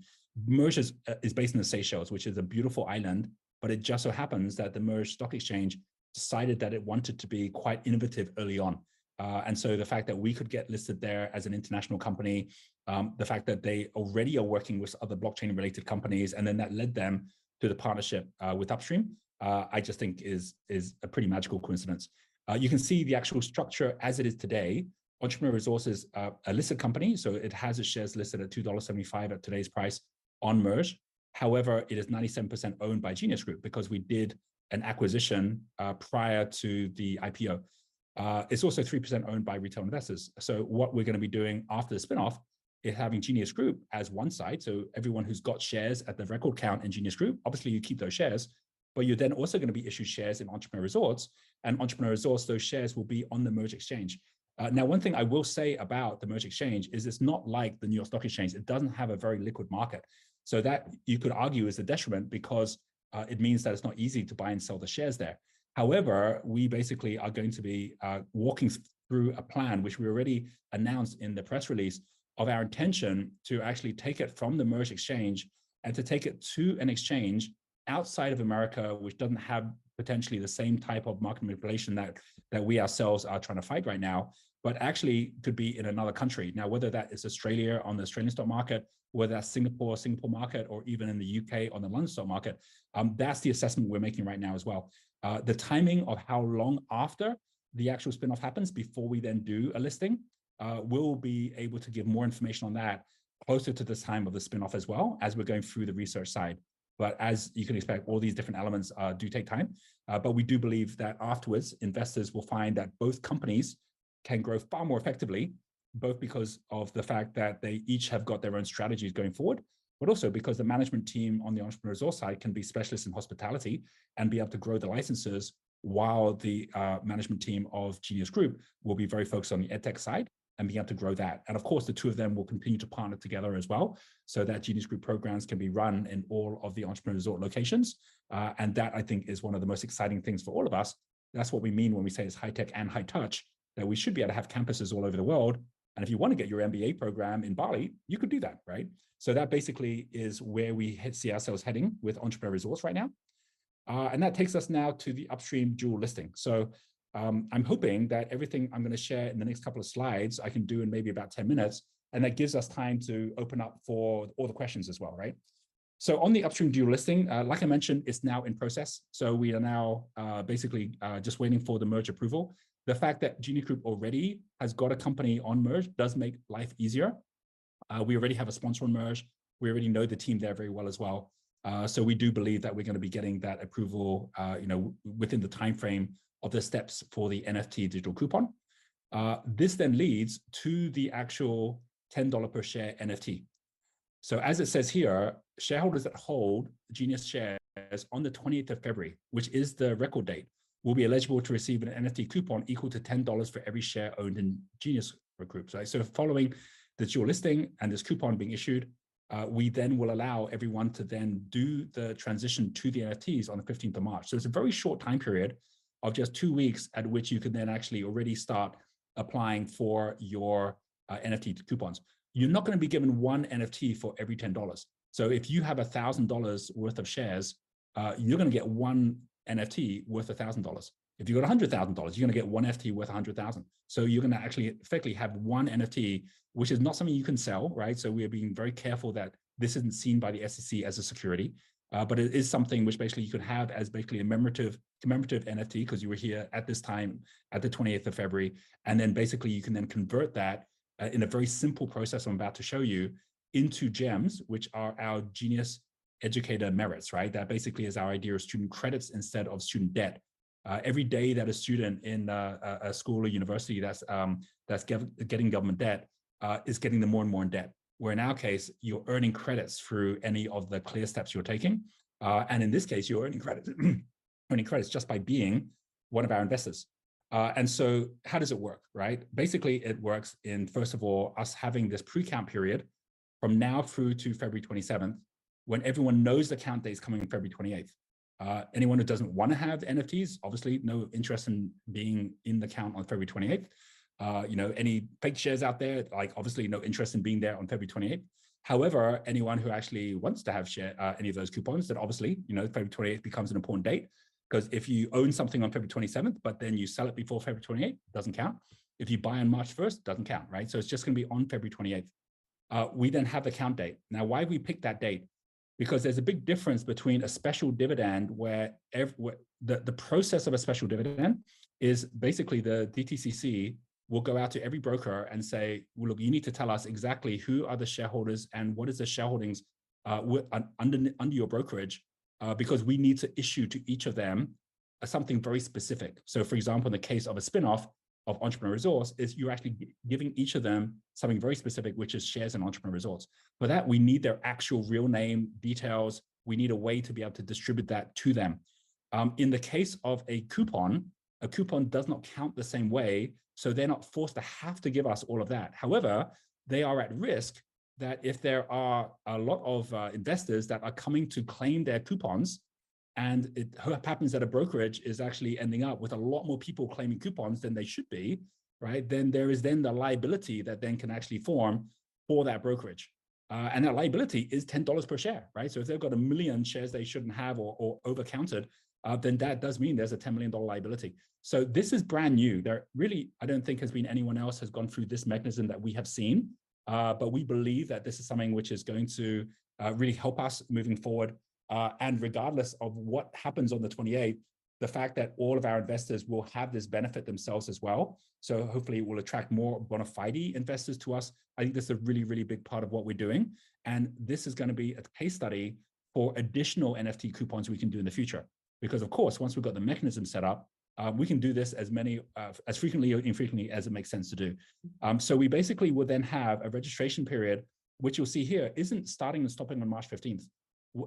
MERJ is based in the Seychelles, which is a beautiful island, but it just so happens that the MERJ stock exchange decided that it wanted to be quite innovative early on. The fact that we could get listed there as an international company, the fact that they already are working with other blockchain related companies, that led them to the partnership with Upstream Exchange, I just think is a pretty magical coincidence. You can see the actual structure as it is today. Entrepreneur Resorts Ltd, a listed company, so it has its shares listed at $2.75 at today's price on MERJ. However, it is 97% owned by Genius Group because we did an acquisition prior to the IPO. It's also 3% owned by retail investors. What we're gonna be doing after the spinoff is having Genius Group as one side. Everyone who's got shares at the record count in Genius Group, obviously you keep those shares. You're then also gonna be issued shares in Entrepreneur Resorts, Entrepreneur Resorts, those shares will be on the MERJ exchange. Now, one thing I will say about the MERJ exchange is it's not like the New York Stock Exchange. It doesn't have a very liquid market. That, you could argue, is a detriment because it means that it's not easy to buy and sell the shares there. However, we basically are going to be walking through a plan which we already announced in the press release of our intention to actually take it from the MERJ exchange and to take it to an exchange outside of America which doesn't have potentially the same type of market manipulation that we ourselves are trying to fight right now, but actually could be in another country. Whether that is Australia on the Australian stock market, whether that's Singapore market, or even in the U.K. on the London stock market, that's the assessment we're making right now as well. The timing of how long after the actual spin-off happens before we then do a listing, we'll be able to give more information on that closer to the time of the spin-off as well as we're going through the research side. As you can expect, all these different elements do take time. We do believe that afterwards, investors will find that both companies can grow far more effectively, both because of the fact that they each have got their own strategies going forward, but also because the management team on the Entrepreneur Resorts side can be specialists in hospitality and be able to grow the licenses while the management team of Genius Group will be very focused on the edtech side and be able to grow that. Of course, the two of them will continue to partner together as well so that Genius Group programs can be run in all of the Entrepreneur Resort locations. That, I think, is one of the most exciting things for all of us. That's what we mean when we say it's high tech and high touch, that we should be able to have campuses all over the world, and if you wanna get your MBA program in Bali, you could do that, right? That basically is where we see ourselves heading with Entrepreneur Resorts right now. That takes us now to the Upstream dual listing. I'm hoping that everything I'm gonna share in the next couple of slides, I can do in maybe about 10 minutes, and that gives us time to open up for all the questions as well, right? On the Upstream dual listing, like I mentioned, it's now in process. We are now basically just waiting for the MERJ approval. The fact that Genius Group already has got a company on MERJ does make life easier. We already have a sponsor on MERJ. We already know the team there very well as well. We do believe that we're going to be getting that approval, you know, within the timeframe of the steps for the NFT digital coupon. This leads to the actual $10 per share NFT. As it says here, shareholders that hold Genius shares on the 20th of February, which is the record date, will be eligible to receive an NFT coupon equal to $10 for every share owned in Genius Group. Sort of following the dual listing and this coupon being issued, we will allow everyone to then do the transition to the NFTs on the 15th of March. It's a very short time period of just two weeks at which you can then actually already start applying for your NFT coupons. You're not gonna be given one NFT for every $10. If you have $1,000 worth of shares, you're gonna get one NFT worth $1,000. If you've got $100,000, you're gonna get one NFT worth $100,000. You're gonna actually effectively have one NFT, which is not something you can sell, right? We're being very careful that this isn't seen by the SEC as a security. But it is something which basically you can have as basically a memorative, commemorative NFT 'cause you were here at this time, at the 20th of February. Basically you can then convert that in a very simple process I'm about to show you, into GEMS, which are our Genius Educator Merits, right? That basically is our idea of student credits instead of student debt. Every day that a student in a school or university that's getting government debt is getting them more and more in debt, where in our case, you're earning credits through any of the CLEAR steps you're taking. In this case, you're earning credits just by being one of our investors. How does it work, right? Basically, it works in, first of all, us having this pre-count period from now through to February 27th, when everyone knows the count date is coming on February 28th. Anyone who doesn't wanna have NFTs, obviously no interest in being in the count on February 28th. You know, any fake shares out there, like, obviously no interest in being there on February 28th. Anyone who actually wants to have share, any of those coupons, then obviously, you know, February 28th becomes an important date. If you own something on February 27th, but then you sell it before February 28th, doesn't count. If you buy on March 1st, doesn't count, right? It's just gonna be on February 28th. We have the count date. Why have we picked that date? There's a big difference between a special dividend, where the process of a special dividend is basically the DTCC will go out to every broker and say, "Well, look, you need to tell us exactly who are the shareholders and what is the shareholdings under your brokerage, because we need to issue to each of them something very specific." For example, in the case of a spin-off of Entrepreneur Resorts, is you're actually giving each of them something very specific, which is shares in Entrepreneur Resorts. For that, we need their actual real name, details. We need a way to be able to distribute that to them. In the case of a coupon, a coupon does not count the same way, so they're not forced to have to give us all of that. They are at risk that if there are a lot of investors that are coming to claim their coupons, and it happens at a brokerage is actually ending up with a lot more people claiming coupons than there should be, right? There is then the liability that then can actually form for that brokerage. And that liability is $10 per share, right? If they've got 1 million shares they shouldn't have or over-counted, then that does mean there's a $10 million liability. This is brand new. There really, I don't think there's been anyone else has gone through this mechanism that we have seen. We believe that this is something which is going to really help us moving forward. Regardless of what happens on the 28th, the fact that all of our investors will have this benefit themselves as well. Hopefully it will attract more bona fide investors to us. I think this is a really, really big part of what we're doing, and this is going to be a case study for additional NFT coupons we can do in the future. Of course, once we've got the mechanism set up, we can do this as many, as frequently or infrequently as it makes sense to do. We basically would then have a registration period. Which you'll see here isn't starting and stopping on March 15th.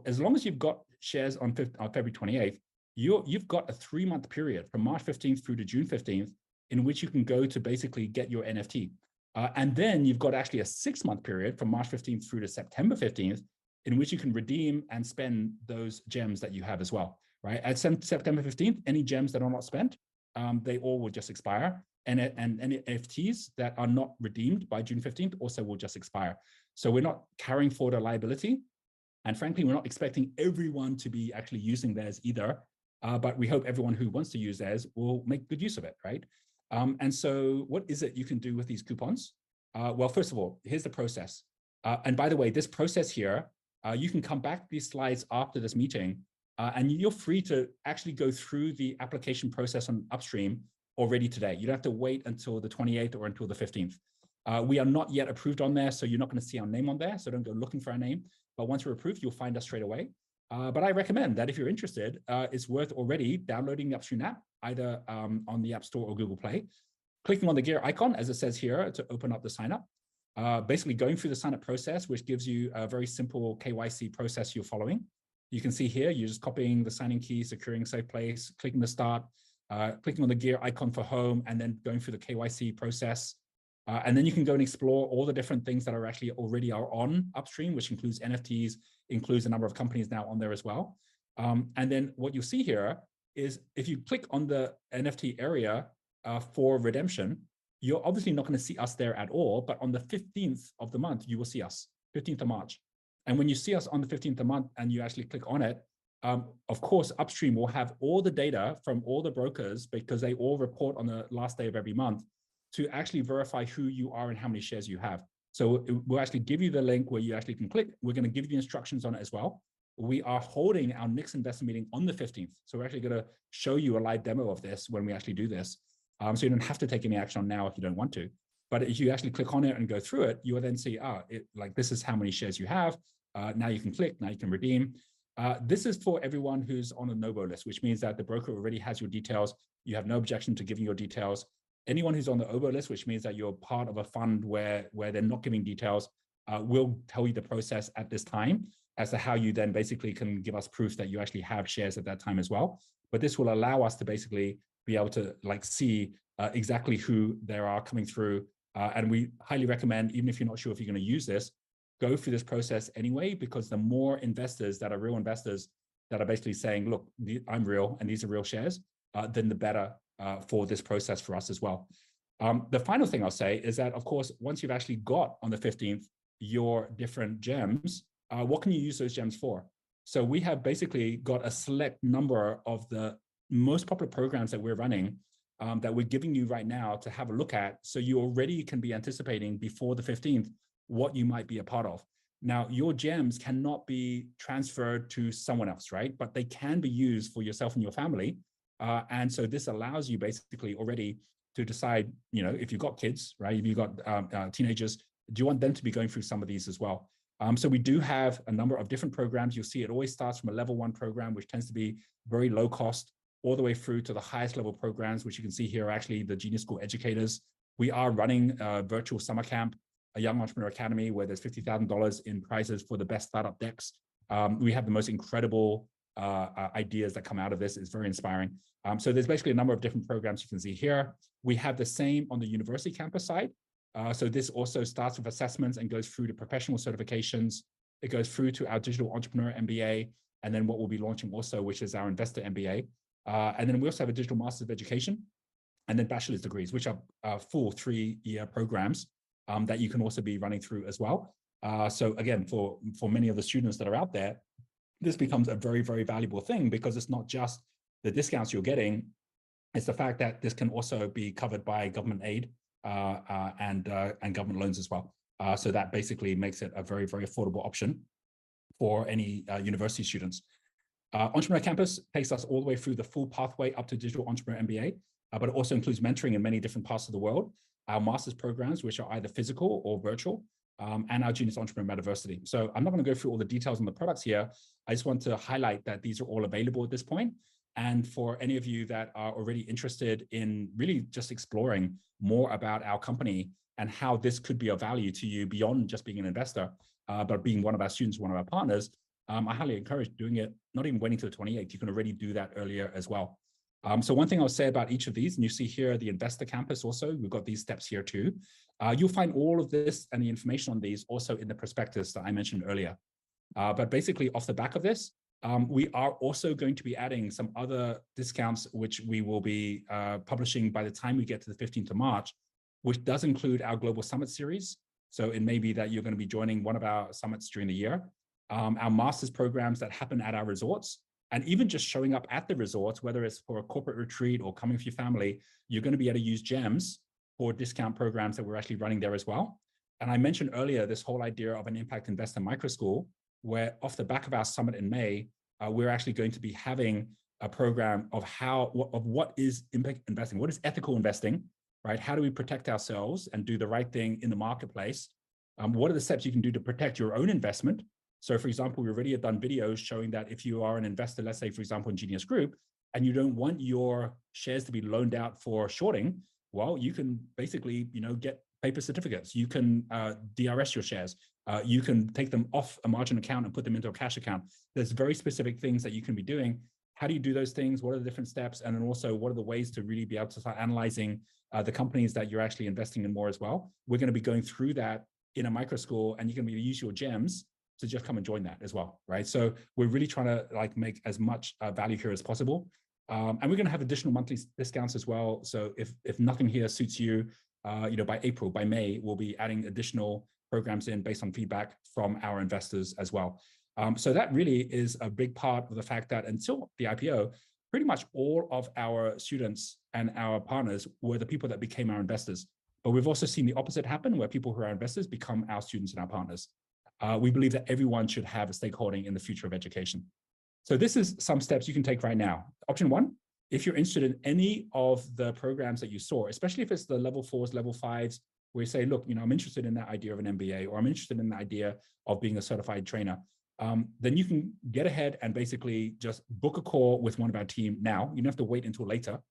As long as you've got shares on February 28th, you've got a 3-month period from March 15th through to June 15th in which you can go to basically get your NFT. You've got actually a six-month period from March 15th through to September 15th, in which you can redeem and spend those gems that you have as well, right? At September 15th, any gems that are not spent, they all will just expire, and any NFTs that are not redeemed by June 15th also will just expire. We're not carrying forward a liability, and frankly, we're not expecting everyone to be actually using theirs either. We hope everyone who wants to use theirs will make good use of it, right? What is it you can do with these coupons? Well, first of all, here's the process. By the way, this process here, you can come back to these slides after this meeting, and you're free to actually go through the application process on Upstream already today. You don't have to wait until the 28th or until the 15th. We are not yet approved on there, so you're not gonna see our name on there, so don't go looking for our name. Once we're approved, you'll find us straight away. I recommend that if you're interested, it's worth already downloading the Upstream app, either, on the App Store or Google Play, clicking on the gear icon as it says here to open up the sign-up, basically going through the sign-up process, which gives you a very simple KYC process you're following. You can see here, you're just copying the signing key, securing safe place, clicking the Start, clicking on the gear icon for home, and then going through the KYC process. Then you can go and explore all the different things that are actually already are on Upstream, which includes NFTs, includes a number of companies now on there as well. Then what you'll see here is if you click on the NFT area for redemption, you're obviously not gonna see us there at all, but on the 15th of the month, you will see us, 15th of March. When you see us on the 15th of the month and you actually click on it, of course Upstream will have all the data from all the brokers because they all report on the last day of every month to actually verify who you are and how many shares you have. It will actually give you the link where you actually can click. We're gonna give you instructions on it as well. We are holding our next investment meeting on the 15th, so we're actually gonna show you a live demo of this when we actually do this. You don't have to take any action on now if you don't want to, but if you actually click on it and go through it, you will then see it like this is how many shares you have. Now you can click, now you can redeem. This is for everyone who's on a no-go list, which means that the broker already has your details. You have no objection to giving your details. Anyone who's on the over list, which means that you're part of a fund where they're not giving details, we'll tell you the process at this time as to how you then basically can give us proof that you actually have shares at that time as well. This will allow us to basically be able to like see, exactly who there are coming through. We highly recommend, even if you're not sure if you're gonna use this, go through this process anyway, because the more investors that are real investors that are basically saying, "Look, I'm real and these are real shares," then the better for this process for us as well. The final thing I'll say is that, of course, once you've actually got on the 15th your different GEMs, what can you use those GEMs for? We have basically got a select number of the most popular programs that we're running, that we're giving you right now to have a look at, so you already can be anticipating before the 15th what you might be a part of. Your GEMs cannot be transferred to someone else, right? They can be used for yourself and your family. This allows you basically already to decide, you know, if you've got kids, right? If you've got teenagers, do you want them to be going through some of these as well? We do have a number of different programs. You'll see it always starts from a level one program, which tends to be very low cost, all the way through to the highest level programs, which you can see here are actually the Genius School Educators. We are running a virtual summer camp, a Young Entrepreneurs Academy, where there's $50,000 in prizes for the best startup decks. We have the most incredible ideas that come out of this. It's very inspiring. There's basically a number of different programs you can see here. We have the same on the university campus side. This also starts with assessments and goes through to professional certifications. It goes through to our digital entrepreneur MBA, and then what we'll be launching also, which is our investor MBA. We also have a digital master's of education, and then bachelor's degrees, which are full 3-year programs that you can also be running through as well. Again, for many of the students that are out there, this becomes a very valuable thing because it's not just the discounts you're getting, it's the fact that this can also be covered by government aid and government loans as well. That basically makes it a very affordable option for any university students. Entrepreneur campus takes us all the way through the full pathway up to digital entrepreneur MBA, but it also includes mentoring in many different parts of the world, our master's programs, which are either physical or virtual, and our Genius Entrepreneur Metaversity. I'm not gonna go through all the details on the products here. I just want to highlight that these are all available at this point. For any of you that are already interested in really just exploring more about our company and how this could be of value to you beyond just being an investor, but being one of our students, one of our partners, I highly encourage doing it, not even waiting till the 28th. You can already do that earlier as well- One thing I'll say about each of these, and you see here the investor campus also, we've got these steps here too. You'll find all of this and the information on these also in the prospectus that I mentioned earlier. Basically, off the back of this, we are also going to be adding some other discounts which we will be publishing by the time we get to the 15th of March, which does include our global summit series. It may be that you're going to be joining one of our summits during the year. Our master's programs that happen at our resorts, and even just showing up at the resorts, whether it's for a corporate retreat or coming with your family, you're going to be able to use GEMs for discount programs that we're actually running there as well. I mentioned earlier this whole idea of an impact investor micro school, where off the back of our summit in May, we're actually going to be having a program of what is impact investing? What is ethical investing, right? How do we protect ourselves and do the right thing in the marketplace? What are the steps you can do to protect your own investment. For example, we've already had done videos showing that if you are an investor, let's say for example in Genius Group, and you don't want your shares to be loaned out for shorting, well, you can basically, you know, get paper certificates. You can DRS your shares. You can take them off a margin account and put them into a cash account. There's very specific things that you can be doing. How do you do those things? What are the different steps? Then also, what are the ways to really be able to start analyzing the companies that you're actually investing in more as well? We're gonna be going through that in a micro school, and you're gonna be able to use your GEMs to just come and join that as well. Right? We're really trying to, like, make as much value here as possible. We're gonna have additional monthly discounts as well, so if nothing here suits you know, by April, by May, we'll be adding additional programs in based on feedback from our investors as well. That really is a big part of the fact that until the IPO, pretty much all of our students and our partners were the people that became our investors. We've also seen the opposite happen, where people who are our investors become our students and our partners. We believe that everyone should have a stakeholding in the future of education. This is some steps you can take right now. Option 1, if you're interested in any of the programs that you saw, especially if it's the level 4s, level 5s, where you say, "Look, you know, I'm interested in that idea of an MBA," or, "I'm interested in the idea of being a certified trainer," then you can get ahead and basically just book a call with one of our team now. You don't have to wait until later.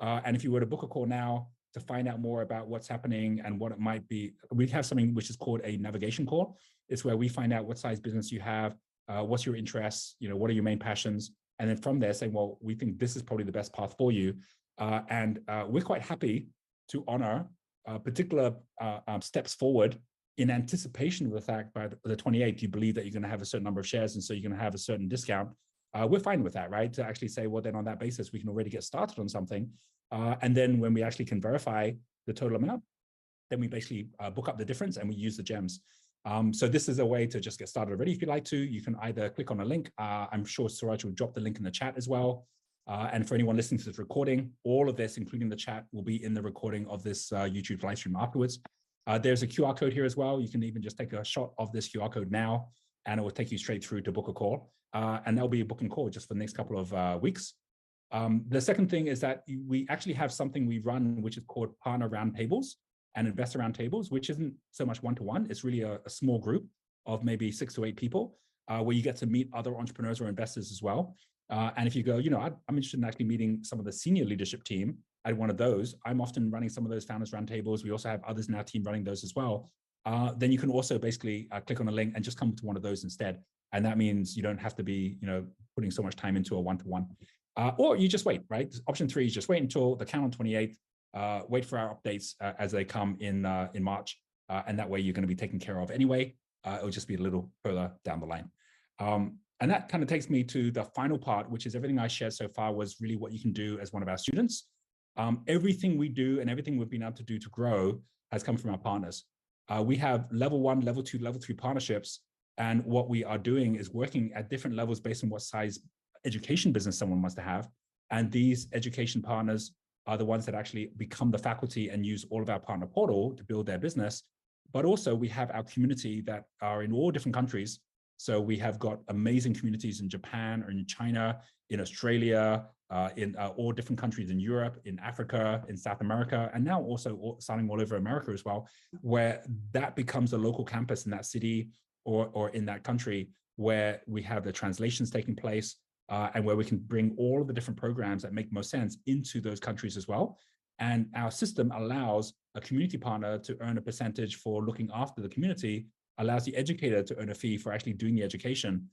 If you were to book a call now to find out more about what's happening and what it might be. We have something which is called a navigation call. It's where we find out what size business you have, what's your interests, you know, what are your main passions. From there saying, "Well, we think this is probably the best path for you." We're quite happy to honor particular steps forward in anticipation of the fact by the 28th you believe that you're gonna have a certain number of shares and so you're gonna have a certain discount. We're fine with that, right? To actually say, "Well, then on that basis, we can already get started on something." When we actually can verify the total amount, then we basically book up the difference and we use the GEMs. This is a way to just get started already if you'd like to. You can either click on the link. I'm sure Suraj will drop the link in the chat as well. For anyone listening to this recording, all of this, including the chat, will be in the recording of this YouTube livestream afterwards. There's a QR code here as well. You can even just take a shot of this QR code now, and it will take you straight through to book a call. There'll be a booking call just for the next couple of weeks. The second thing is that we actually have something we run which is called partner roundtables and investor roundtables, which isn't so much one-to-one. It's really a small group of maybe six to eight people, where you get to meet other entrepreneurs or investors as well. If you go, "You know, I'm interested in actually meeting some of the senior leadership team at one of those," I'm often running some of those founders roundtables. We also have others in our team running those as well. You can also basically click on the link and just come to one of those instead, and that means you don't have to be, you know, putting so much time into a one-to-one. You just wait, right? Option 3 is just wait until the count of 28. Wait for our updates, as they come in March, that way you're gonna be taken care of anyway. It'll just be a little further down the line. That kind of takes me to the final part, which is everything I shared so far was really what you can do as one of our students. Everything we do and everything we've been able to do to grow has come from our partners. We have level 1, level 2, level 3 partnerships, what we are doing is working at different levels based on what size education business someone wants to have. These education partners are the ones that actually become the faculty and use all of our partner portal to build their business. Also, we have our community that are in all different countries. We have got amazing communities in Japan or in China, in Australia, in all different countries in Europe, in Africa, in South America, and now also starting all over America as well, where that becomes a local campus in that city or in that country where we have the translations taking place, and where we can bring all of the different programs that make most sense into those countries as well. Our system allows a community partner to earn a percentage for looking after the community, allows the educator to earn a fee for actually doing the education.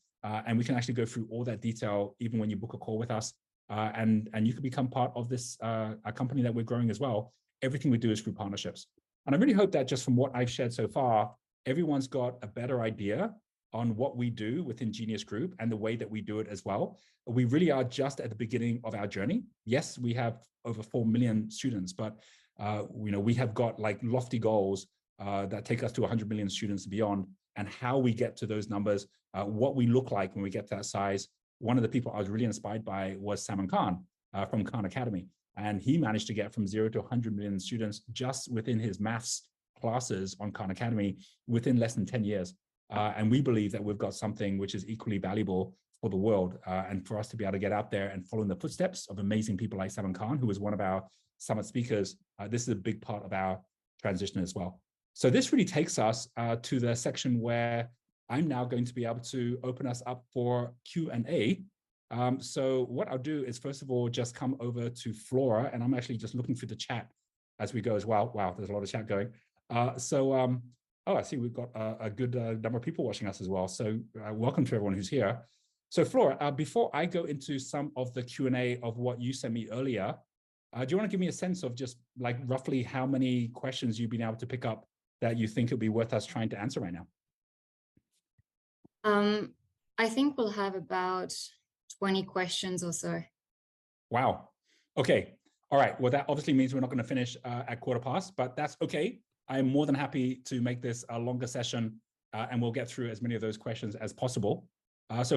We can actually go through all that detail even when you book a call with us. You can become part of this a company that we're growing as well. Everything we do is through partnerships. I really hope that just from what I've shared so far, everyone's got a better idea on what we do within Genius Group and the way that we do it as well. We really are just at the beginning of our journey. Yes, we have over 4 million students, but, you know, we have got, like, lofty goals that take us to 100 million students and beyond. How we get to those numbers, what we look like when we get to that size, one of the people I was really inspired by was Salman Khan from Khan Academy, and he managed to get from 0 to 100 million students just within his math classes on Khan Academy within less than 10 years. We believe that we've got something which is equally valuable for the world, and for us to be able to get out there and follow in the footsteps of amazing people like Salman Khan, who was one of our summit speakers, this is a big part of our transition as well. This really takes us to the section where I'm now going to be able to open us up for Q&A. What I'll do is, first of all, just come over to Flora, and I'm actually just looking through the chat as we go as well. Wow, there's a lot of chat going. Oh, I see we've got a good number of people watching us as well. Welcome to everyone who's here. Flora, before I go into some of the Q&A of what you sent me earlier, do you wanna give me a sense of just, like, roughly how many questions you've been able to pick up that you think it'd be worth us trying to answer right now? I think we'll have about 20 questions or so. Wow. Okay. All right. That obviously means we are not going to finish at 15 past, but that is okay. I am more than happy to make this a longer session, and we will get through as many of those questions as possible.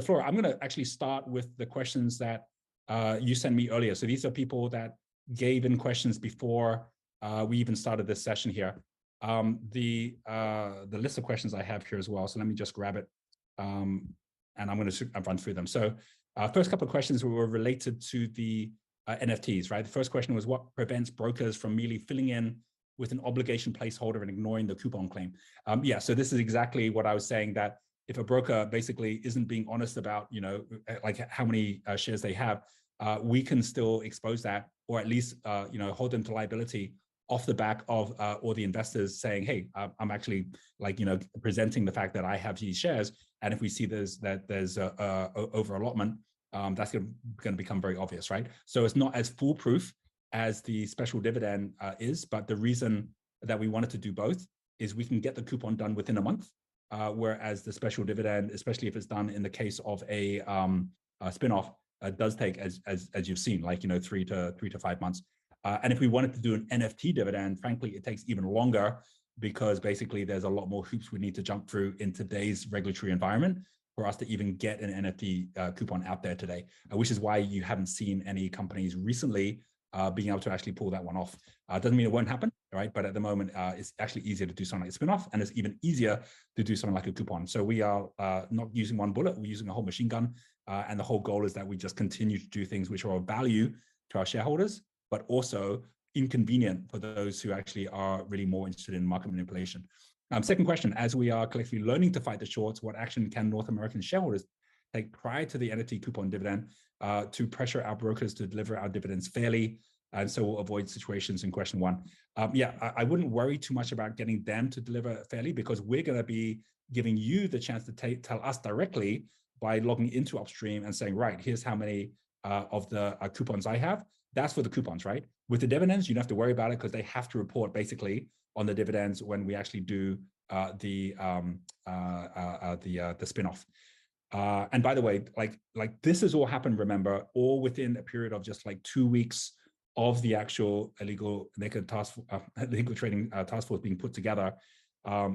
Flora, I am going to actually start with the questions that you sent me earlier. These are people that gave in questions before we even started this session here. The list of questions I have here as well, let me just grab it. I am going to run through them. Our first couple of questions were related to the NFTs, right? The first question was, "What prevents brokers from merely filling in with an obligation placeholder and ignoring the coupon claim?" Yeah, this is exactly what I was saying, that if a broker basically isn't being honest about, you know, like, how many shares they have, we can still expose that, or at least, you know, hold them to liability off the back of all the investors saying, "Hey, I'm actually like, you know, presenting the fact that I have these shares." If we see that there's over allotment, that's gonna become very obvious, right? It's not as foolproof as the special dividend is, but the reason that we wanted to do both is we can get the coupon done within 1 month, whereas the special dividend, especially if it's done in the case of a spin-off, does take as you've seen, like, you know, 3 to 5 months. If we wanted to do an NFT dividend, frankly it takes even longer because basically there's a lot more hoops we'd need to jump through in today's regulatory environment for us to even get an NFT coupon out there today. Which is why you haven't seen any companies recently being able to actually pull that 1 off. Doesn't mean it won't happen, right? At the moment, it's actually easier to do something like a spin-off, and it's even easier to do something like a coupon. We are not using one bullet, we're using a whole machine gun. The whole goal is that we just continue to do things which are of value to our shareholders, but also inconvenient for those who actually are really more interested in market manipulation. Second question, "As we are collectively learning to fight the shorts, what action can North American shareholders take prior to the NFT coupon dividend to pressure our brokers to deliver our dividends fairly and avoid situations in question one?" Yeah, I wouldn't worry too much about getting them to deliver fairly, because we're gonna be giving you the chance to tell us directly by logging into Upstream and saying, "Right, here's how many of the coupons I have." That's for the coupons, right? With the dividends, you don't have to worry about it 'cause they have to report basically on the dividends when we actually do the spin-off. By the way, like, this has all happened, remember, all within a period of just, like, two weeks of the actual illegal naked trading task force being put together.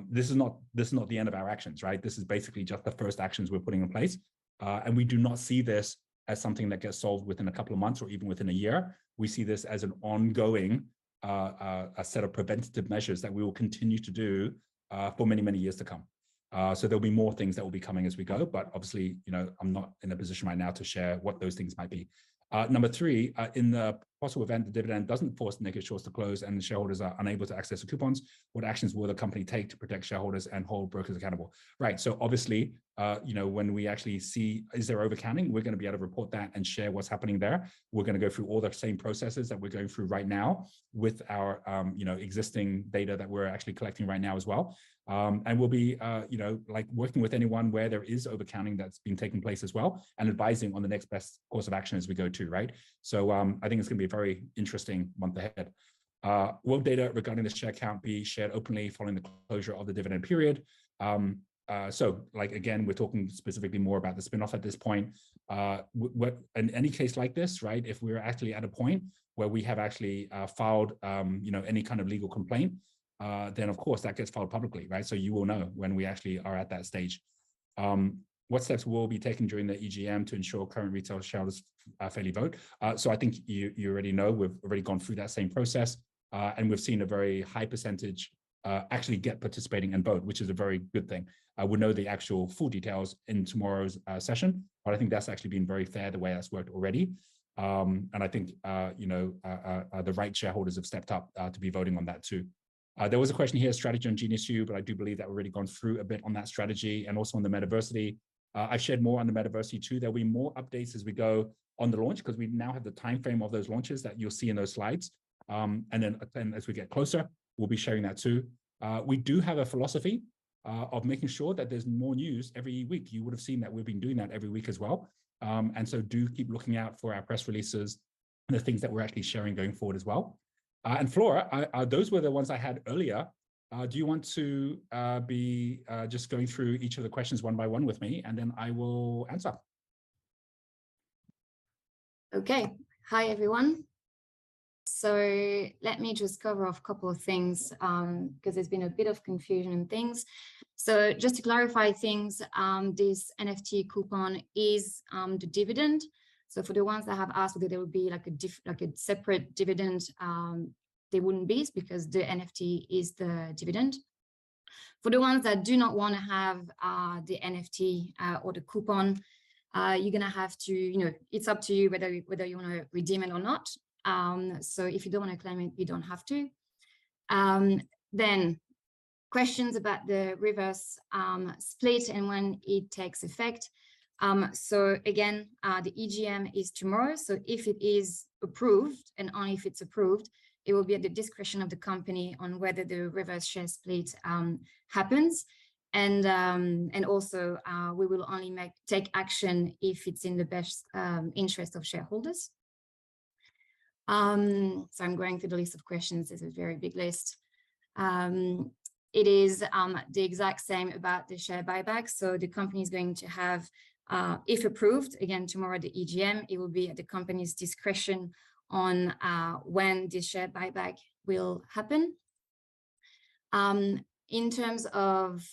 This is not the end of our actions, right? This is basically just the first actions we're putting in place. We do not see this as something that gets solved within a couple of months or even within 1 year. We see this as an ongoing, a set of preventative measures that we will continue to do for many, many years to come. There'll be more things that will be coming as we go, but obviously, you know, I'm not in a position right now to share what those things might be. Number 3, "In the possible event the dividend doesn't force naked shorts to close and the shareholders are unable to access the coupons, what actions will the company take to protect shareholders and hold brokers accountable?" Right. Obviously, you know, when we actually see is there over-counting, we're gonna be able to report that and share what's happening there. We're gonna go through all the same processes that we're going through right now with our, you know, existing data that we're actually collecting right now as well. We'll be, you know, like, working with anyone where there is over-counting that's been taking place as well, and advising on the next best course of action as we go too. Right. I think it's gonna be a very interesting month ahead. Will data regarding the share count be shared openly following the closure of the dividend period?" Like, again, we're talking specifically more about the spin-off at this point. In any case like this, right, if we're actually at a point where we have actually filed, you know, any kind of legal complaint, then of course that gets filed publicly, right? You will know when we actually are at that stage. "What steps will be taken during the EGM to ensure current retail shareholders fairly vote?" I think you already know, we've already gone through that same process, and we've seen a very high percentage actually get participating and vote, which is a very good thing. We'll know the actual full details in tomorrow's session, but I think that's actually been very fair the way that's worked already. I think, you know, the right shareholders have stepped up to be voting on that too. There was a question here, strategy on GeniusU, but I do believe that we've already gone through a bit on that strategy and also on the Metaversity. I shared more on the Metaversity too. There'll be more updates as we go on the launch, 'cause we now have the timeframe of those launches that you'll see in those slides. As we get closer, we'll be sharing that too. We do have a philosophy of making sure that there's more news every week. You would've seen that we've been doing that every week as well. Do keep looking out for our press releases and the things that we're actually sharing going forward as well. Flora, those were the ones I had earlier. Do you want to be just going through each of the questions one by one with me, and then I will answer? Okay. Hi, everyone. Let me just cover off a couple of things, 'cause there's been a bit of confusion and things. Just to clarify things, this NFT coupon is the dividend. For the ones that have asked whether there would be like a separate dividend, there wouldn't be because the NFT is the dividend. For the ones that do not wanna have the NFT or the coupon, you're gonna have to, you know, it's up to you whether you wanna redeem it or not. If you don't wanna claim it, you don't have to. Questions about the reverse split and when it takes effect. Again, the EGM is tomorrow, if it is approved, and only if it's approved, it will be at the discretion of the company on whether the reverse share split happens. Also, we will only take action if it's in the best interest of shareholders. I'm going through the list of questions. It's a very big list. It is the exact same about the share buyback. The company's going to have, if approved, again tomorrow at the EGM, it will be at the company's discretion on when the share buyback will happen. In terms of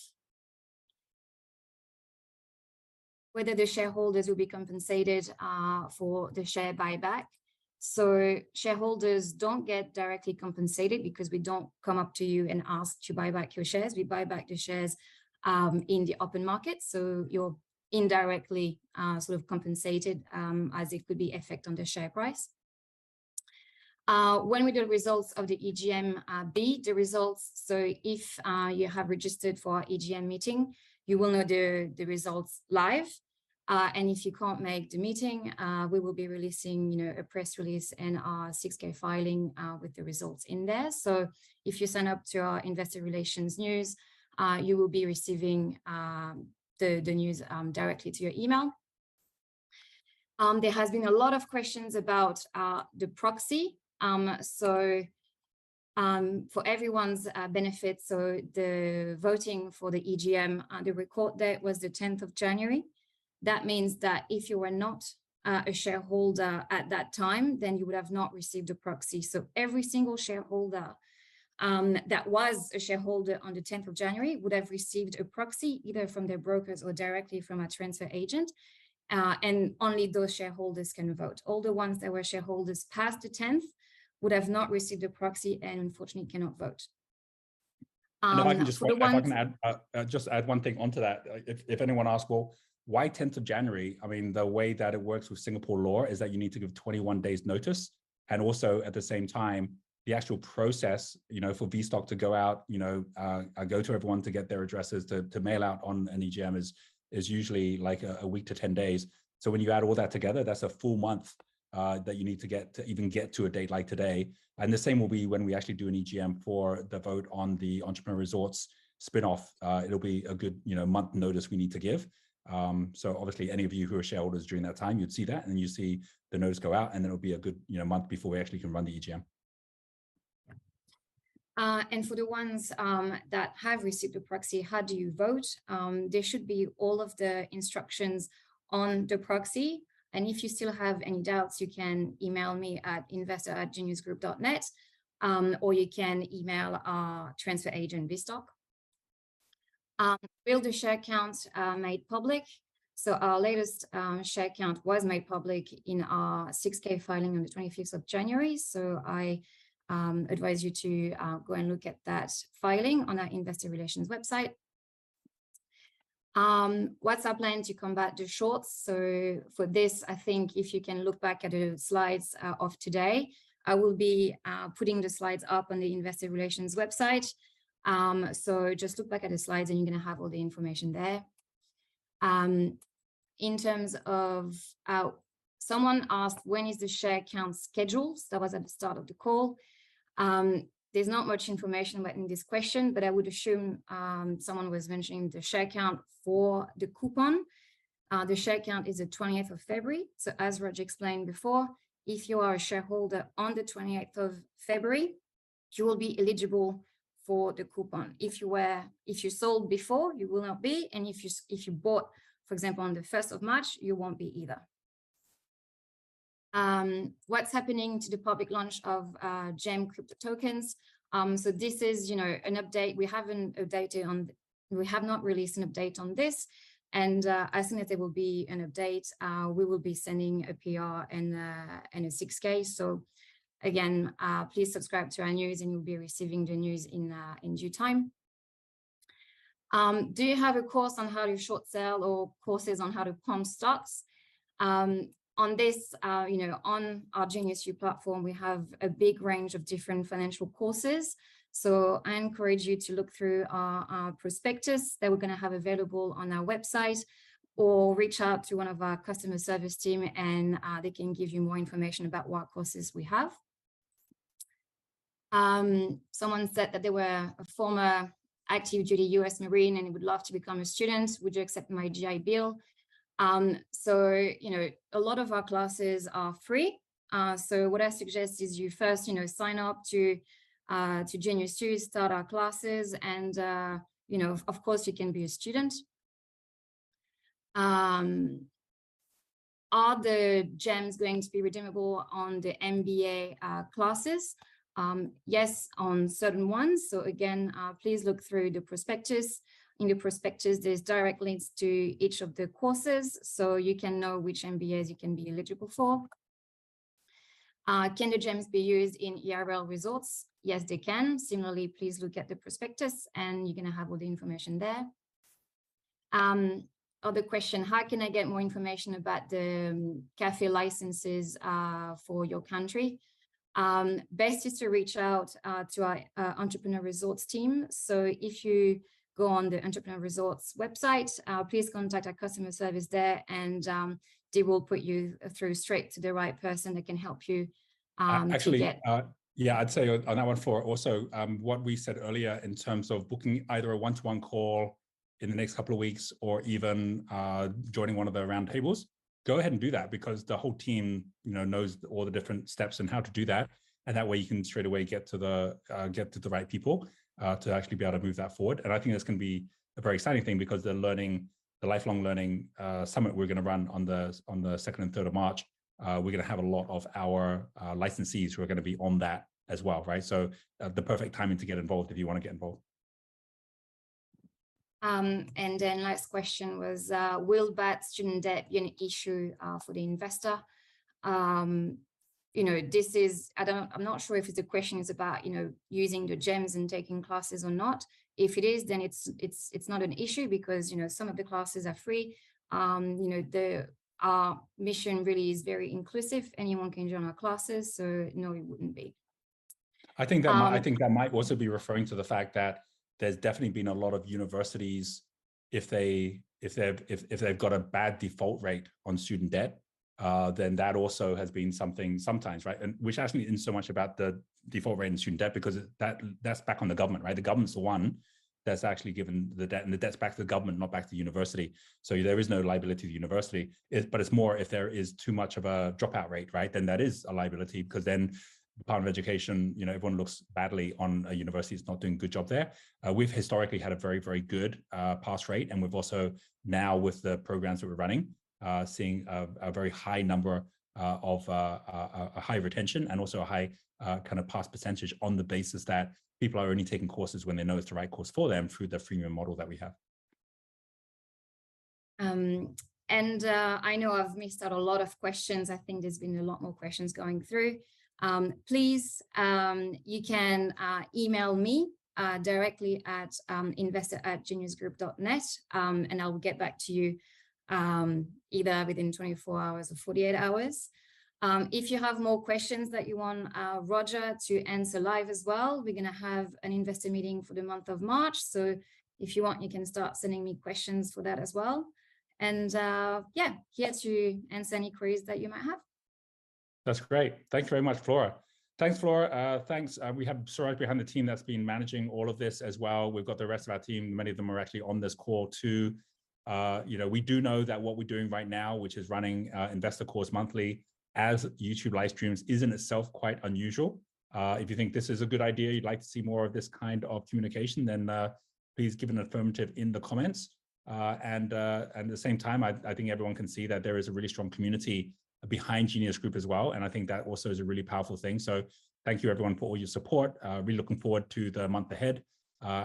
whether the shareholders will be compensated for the share buyback. So shareholders don't get directly compensated because we don't come up to you and ask to buy back your shares. We buy back the shares in the open market, so you're indirectly sort of compensated as it could be effect on the share price. When we do results of the EGM, be the results. If you have registered for EGM meeting, you will know the results live. If you can't make the meeting, we will be releasing, you know, a press release and our 6-K filing with the results in there. If you sign up to our investor relations news, you will be receiving the news directly to your email. There has been a lot of questions about the proxy. For everyone's benefit, the voting for the EGM, the record there was the 10th of January. That means that if you were not, a shareholder at that time, you would have not received a proxy. Every single shareholder, that was a shareholder on the 10th of January would have received a proxy, either from their brokers or directly from our transfer agent. Only those shareholders can vote. All the ones that were shareholders past the 10th would have not received a proxy and unfortunately cannot vote. If I can add just one thing onto that. If anyone asks, "Well, why 10th of January?" I mean, the way that it works with Singapore law is that you need to give 21 days' notice. Also at the same time, the actual process, you know, for VStock to go out, you know, go to everyone to get their addresses to mail out on an EGM is usually like a week to 10 days. When you add all that together, that's a full month that you need to get to even get to a date like today. The same will be when we actually do an EGM for the vote on the Entrepreneur Resorts spin-off. It'll be a good, you know, month notice we need to give. Obviously any of you who are shareholders during that time, you'd see that, and then you see the notice go out, and then it'll be a good, you know, month before we actually can run the EGM. For the ones that have received the proxy, how do you vote? There should be all of the instructions on the proxy, and if you still have any doubts, you can email me at investor@geniusgroup.net, or you can email our transfer agent, VStock. Will the share count made public? Our latest share count was made public in our 6-K filing on the 25th of January. I advise you to go and look at that filing on our investor relations website. What's our plan to combat the shorts? For this, I think if you can look back at the slides of today, I will be putting the slides up on the investor relations website. Just look back at the slides, and you're gonna have all the information there. In terms of, someone asked, when is the share count scheduled? That was at the start of the call. There's not much information written in this question, but I would assume, someone was mentioning the share count for the coupon. The share count is the 20th of February. As Rog explained before, if you are a shareholder on the 28th of February, you will be eligible for the coupon. If you sold before, you will not be, if you bought, for example, on the 1st of March, you won't be either. What's happening to the public launch of GEM crypto tokens? This is, you know, an update. We have not released an update on this. As soon as there will be an update, we will be sending a PR and a 6-K. Again, please subscribe to our news, and you'll be receiving the news in due time. Do you have a course on how to short sell or courses on how to pump stocks? On this, you know, on our GeniusU platform, we have a big range of different financial courses. I encourage you to look through our prospectus that we're gonna have available on our website or reach out to one of our customer service team and they can give you more information about what courses we have. Someone said that they were a former active duty U.S. Marine and would love to become a student. Would you accept my GI Bill? You know, a lot of our classes are free. What I suggest is you first, you know, sign up to GeniusU, start our classes and, you know, of course, you can be a student. Are the GEMs going to be redeemable on the MBA classes? Yes, on certain ones. Again, please look through the prospectus. In the prospectus, there's direct links to each of the courses, so you can know which MBAs you can be eligible for. Can the GEMs be used in Entrepreneur Resorts? Yes, they can. Similarly, please look at the prospectus, and you're gonna have all the information there. Other question, how can I get more information about the cafe licenses for your country? Best is to reach out to our Entrepreneur Resorts team. if you go on the Entrepreneur Resorts website, please contact our customer service there and, they will put you through straight to the right person that can help you. Actually, yeah, I'd say on that one for also, what we said earlier in terms of booking either a one-to-one call in the next couple of weeks or even joining one of the roundtables, go ahead and do that because the whole team, you know, knows all the different steps and how to do that. That way you can straightaway get to the right people to actually be able to move that forward. I think that's gonna be a very exciting thing because the lifelong learning summit we're gonna run on the second and third of March, we're gonna have a lot of our licensees who are gonna be on that as well, right? The perfect timing to get involved if you wanna get involved. Then last question was, will bad student debt be an issue for the investor? You know, I'm not sure if the question is about, you know, using the GEMs and taking classes or not. If it is, then it's not an issue because, you know, some of the classes are free. You know, our mission really is very inclusive. Anyone can join our classes, so no, it wouldn't be. I think that might also be referring to the fact that there's definitely been a lot of universities, if they've got a bad default rate on student debt, then that also has been something sometimes, right? Which actually isn't so much about the default rate on student debt because that's back on the government, right? The government's the one that's actually given the debt, and the debt's back to the government, not back to the university. There is no liability to the university. It's more if there is too much of a dropout rate, right, then that is a liability because then the Department of Education, you know, everyone looks badly on a university that's not doing a good job there. We've historically had a very, very good pass rate, and we've also now, with the programs that we're running, seeing a very high number of a high retention and also a high kind of pass percentage on the basis that people are only taking courses when they know it's the right course for them through the freemium model that we have. I know I've missed out a lot of questions. I think there's been a lot more questions going through. Please, you can email me directly at investor@geniusgroup.net. I'll get back to you either within 24 hours or 48 hours. If you have more questions that you want Roger to answer live as well, we're gonna have an investor meeting for the month of March. If you want, you can start sending me questions for that as well. Yeah, he has to answer any queries that you might have. That's great. Thank you very much, Flora. Thanks, Flora. Thanks. We have Soraya behind the team that's been managing all of this as well. We've got the rest of our team. Many of them are actually on this call too. You know, we do know that what we're doing right now, which is running investor calls monthly as YouTube live streams, is in itself quite unusual. If you think this is a good idea, you'd like to see more of this kind of communication, then please give an affirmative in the comments. At the same time, I think everyone can see that there is a really strong community behind Genius Group as well, and I think that also is a really powerful thing. Thank you everyone for all your support. Really looking forward to the month ahead,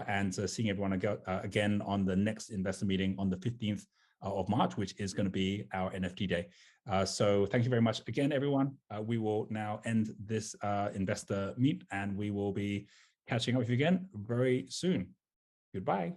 and, seeing everyone again on the next investor meeting on the 15th of March, which is gonna be our NFT day. Thank you very much again, everyone. We will now end this investor meet, and we will be catching up with you again very soon. Goodbye.